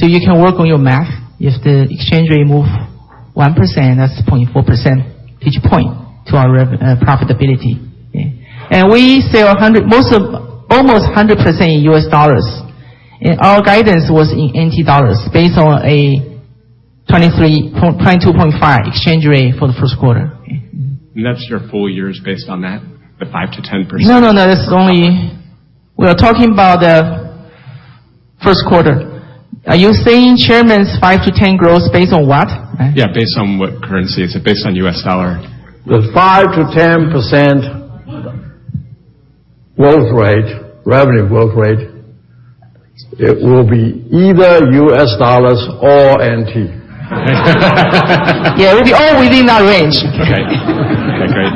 You can work on your math. If the exchange rate move 1%, that's 0.4% percentage point to our profitability. Yeah. We sell almost 100% in US dollars. Our guidance was in NT dollars based on a 22.5 exchange rate for the first quarter. That's your full year is based on that, the 5%-10%? No, that's only We are talking about the first quarter. Are you saying Chairman's 5%-10% growth based on what, right? Yeah, based on what currency? Is it based on U.S. dollar? The 5%-10% growth rate, revenue growth rate, it will be either U.S. dollars or TWD. Yeah, it'll be all within that range. Okay. Great.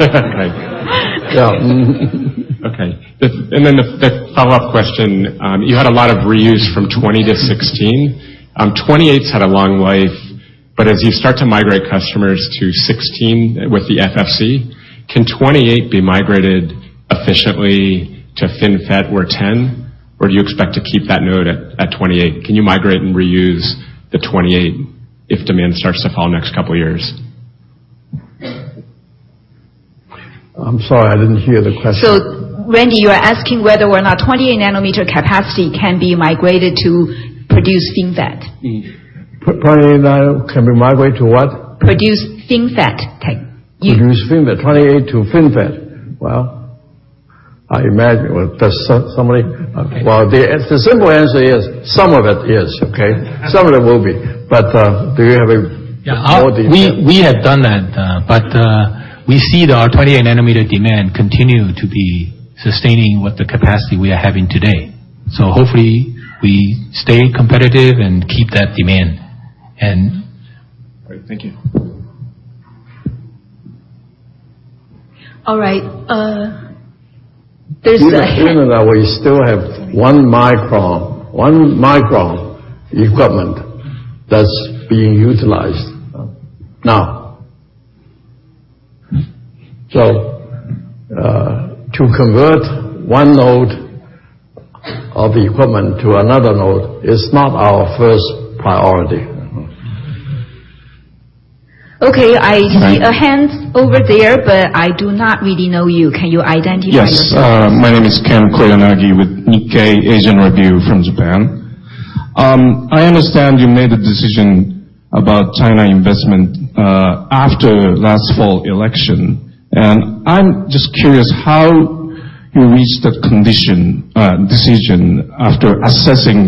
Yeah. Okay. The follow-up question. You had a lot of reuse from 20 to 16. 28's had a long life, but as you start to migrate customers to 16 with the FFC, can 28 be migrated efficiently to FinFET or 10, or do you expect to keep that node at 28? Can you migrate and reuse the 28 if demand starts to fall next couple years? I'm sorry, I didn't hear the question. Randy, you're asking whether or not 28 nanometer capacity can be migrated to produce FinFET? 28 nano can be migrated to what? Produce FinFET tech. Yeah. Produce FinFET. 28 to FinFET. Well, I imagine. Well, does somebody Well, the simple answer is some of it is, okay? Some of it will be. Do we have a more detail? Yeah. We have done that. We see our 28 nanometer demand continue to be sustaining with the capacity we are having today. Hopefully we stay competitive and keep that demand. All right. Thank you. All right. You know that we still have one micron equipment that's being utilized now. To convert one node of equipment to another node is not our first priority. Okay. I see a hand over there, but I do not really know you. Can you identify yourself? Yes. My name is Ken Koyanagi with Nikkei Asian Review from Japan. I understand you made the decision about China investment after last fall election, and I am just curious how you reached that decision after assessing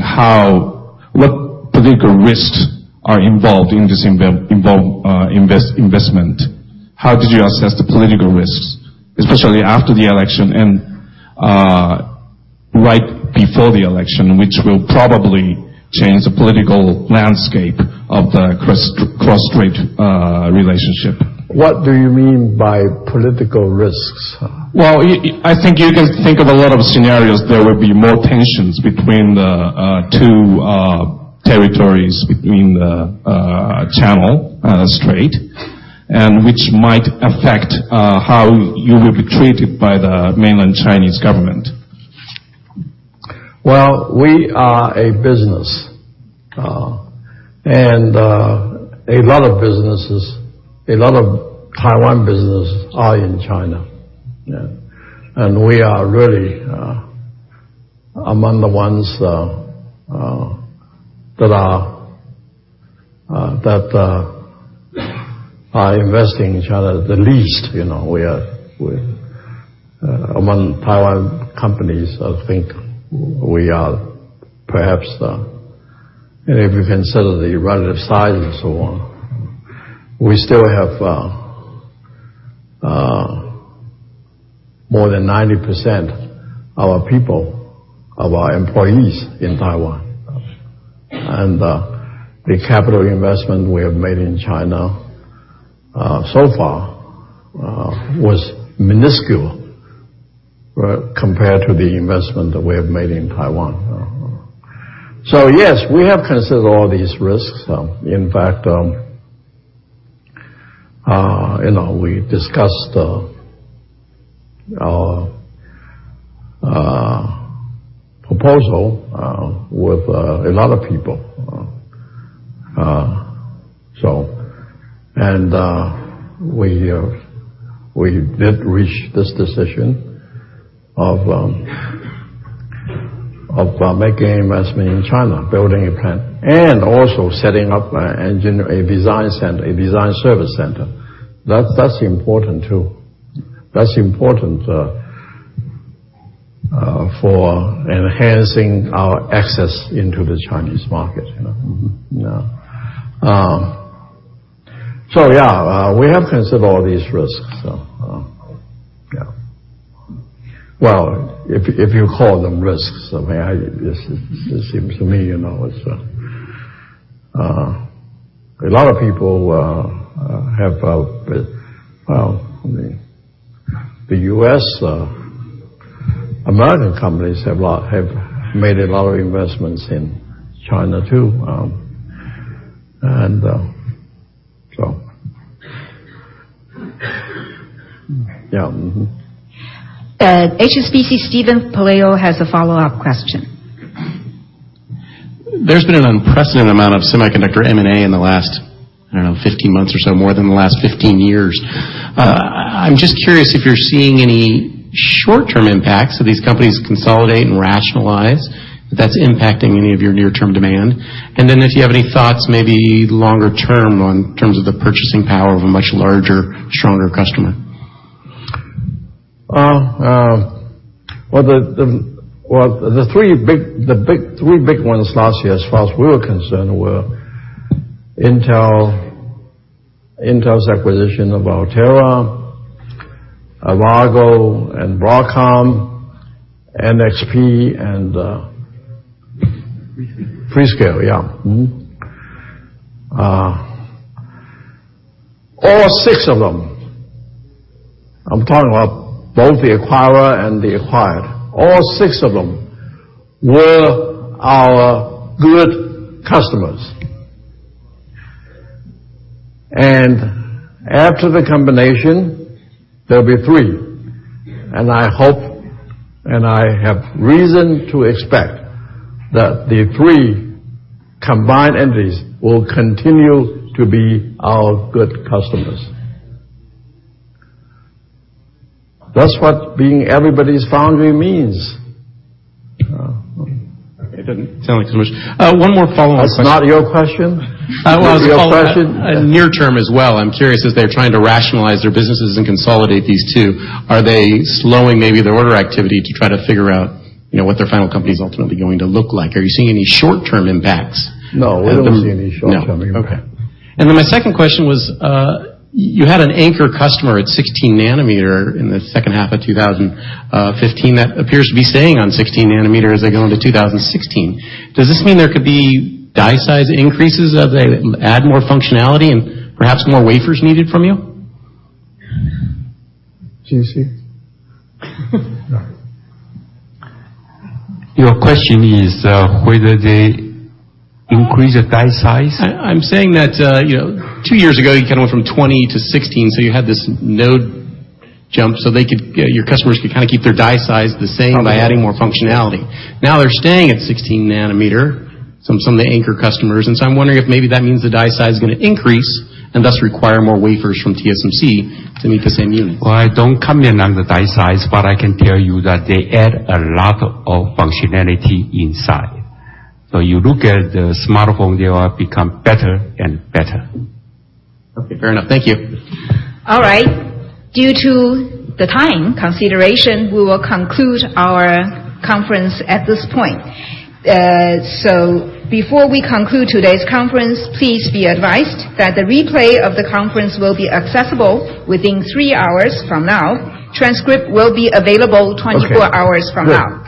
what political risks are involved in this investment. How did you assess the political risks, especially after the election and right before the election, which will probably change the political landscape of the cross-strait relationship? What do you mean by political risks? Well, I think you can think of a lot of scenarios. There will be more tensions between the two territories between the Taiwan Strait, and which might affect how you will be treated by the mainland Chinese government. Well, we are a business. A lot of businesses, a lot of Taiwan businesses are in China. We are really among the ones that are investing in China the least. Among Taiwan companies, I think we are perhaps, if you consider the relative size and so on, we still have more than 90% of our people, of our employees in Taiwan. The capital investment we have made in China so far was minuscule compared to the investment that we have made in Taiwan. Yes, we have considered all these risks. In fact, we discussed our proposal with a lot of people. We did reach this decision of making investment in China, building a plant, and also setting up a design service center. That's important, too. That's important for enhancing our access into the Chinese market. Yeah, we have considered all these risks, yeah. Well, if you call them risks. It seems to me, the U.S., American companies have made a lot of investments in China, too. Yeah. HSBC, Steven Pelayo has a follow-up question. There's been an unprecedented amount of semiconductor M&A in the last, I don't know, 15 months or so, more than the last 15 years. I'm just curious if you're seeing any short-term impacts of these companies consolidate and rationalize, if that's impacting any of your near-term demand. Then if you have any thoughts, maybe longer-term, on terms of the purchasing power of a much larger, stronger customer. Well, the three big ones last year, as far as we were concerned, were Intel's acquisition of Altera, Avago, and Broadcom, NXP. Freescale. Freescale, yeah. Mm-hmm. All six of them, I'm talking about both the acquirer and the acquired. All six of them were our good customers. After the combination, there'll be three. I hope, and I have reason to expect that the three combined entities will continue to be our good customers. That's what being everybody's foundry means. It doesn't sound like so much. One more follow-up question. It's not your question? I was following up. It is your question? Near term as well, I'm curious if they're trying to rationalize their businesses and consolidate these two. Are they slowing maybe their order activity to try to figure out what their final company's ultimately going to look like? Are you seeing any short-term impacts? No, we don't see any short-term impact. No. Okay. My second question was, you had an anchor customer at 16 nanometer in the second half of 2015. That appears to be staying on 16 nanometer as they go into 2016. Does this mean there could be die size increases as they add more functionality and perhaps more wafers needed from you? C.C.? Your question is whether they increase the die size? I'm saying that two years ago, you went from 20 to 16, you had this node jump, your customers could keep their die size the same by adding more functionality. Now they're staying at 16 nanometer, some of the anchor customers, I'm wondering if maybe that means the die size is going to increase and thus require more wafers from TSMC to meet the same unit. Well, I don't comment on the die size, I can tell you that they add a lot of functionality inside. You look at the smartphone, they all become better and better. Okay, fair enough. Thank you. All right. Due to the time consideration, we will conclude our conference at this point. Before we conclude today's conference, please be advised that the replay of the conference will be accessible within three hours from now. Transcript will be available 24 hours from now.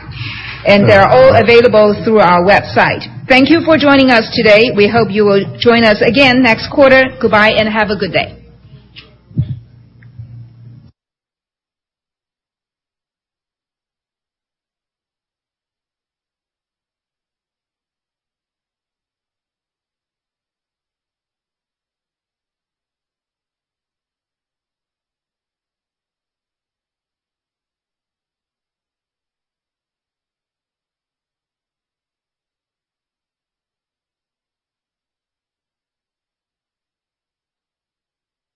Good. They are all available through our website. Thank you for joining us today. We hope you will join us again next quarter. Goodbye, and have a good day.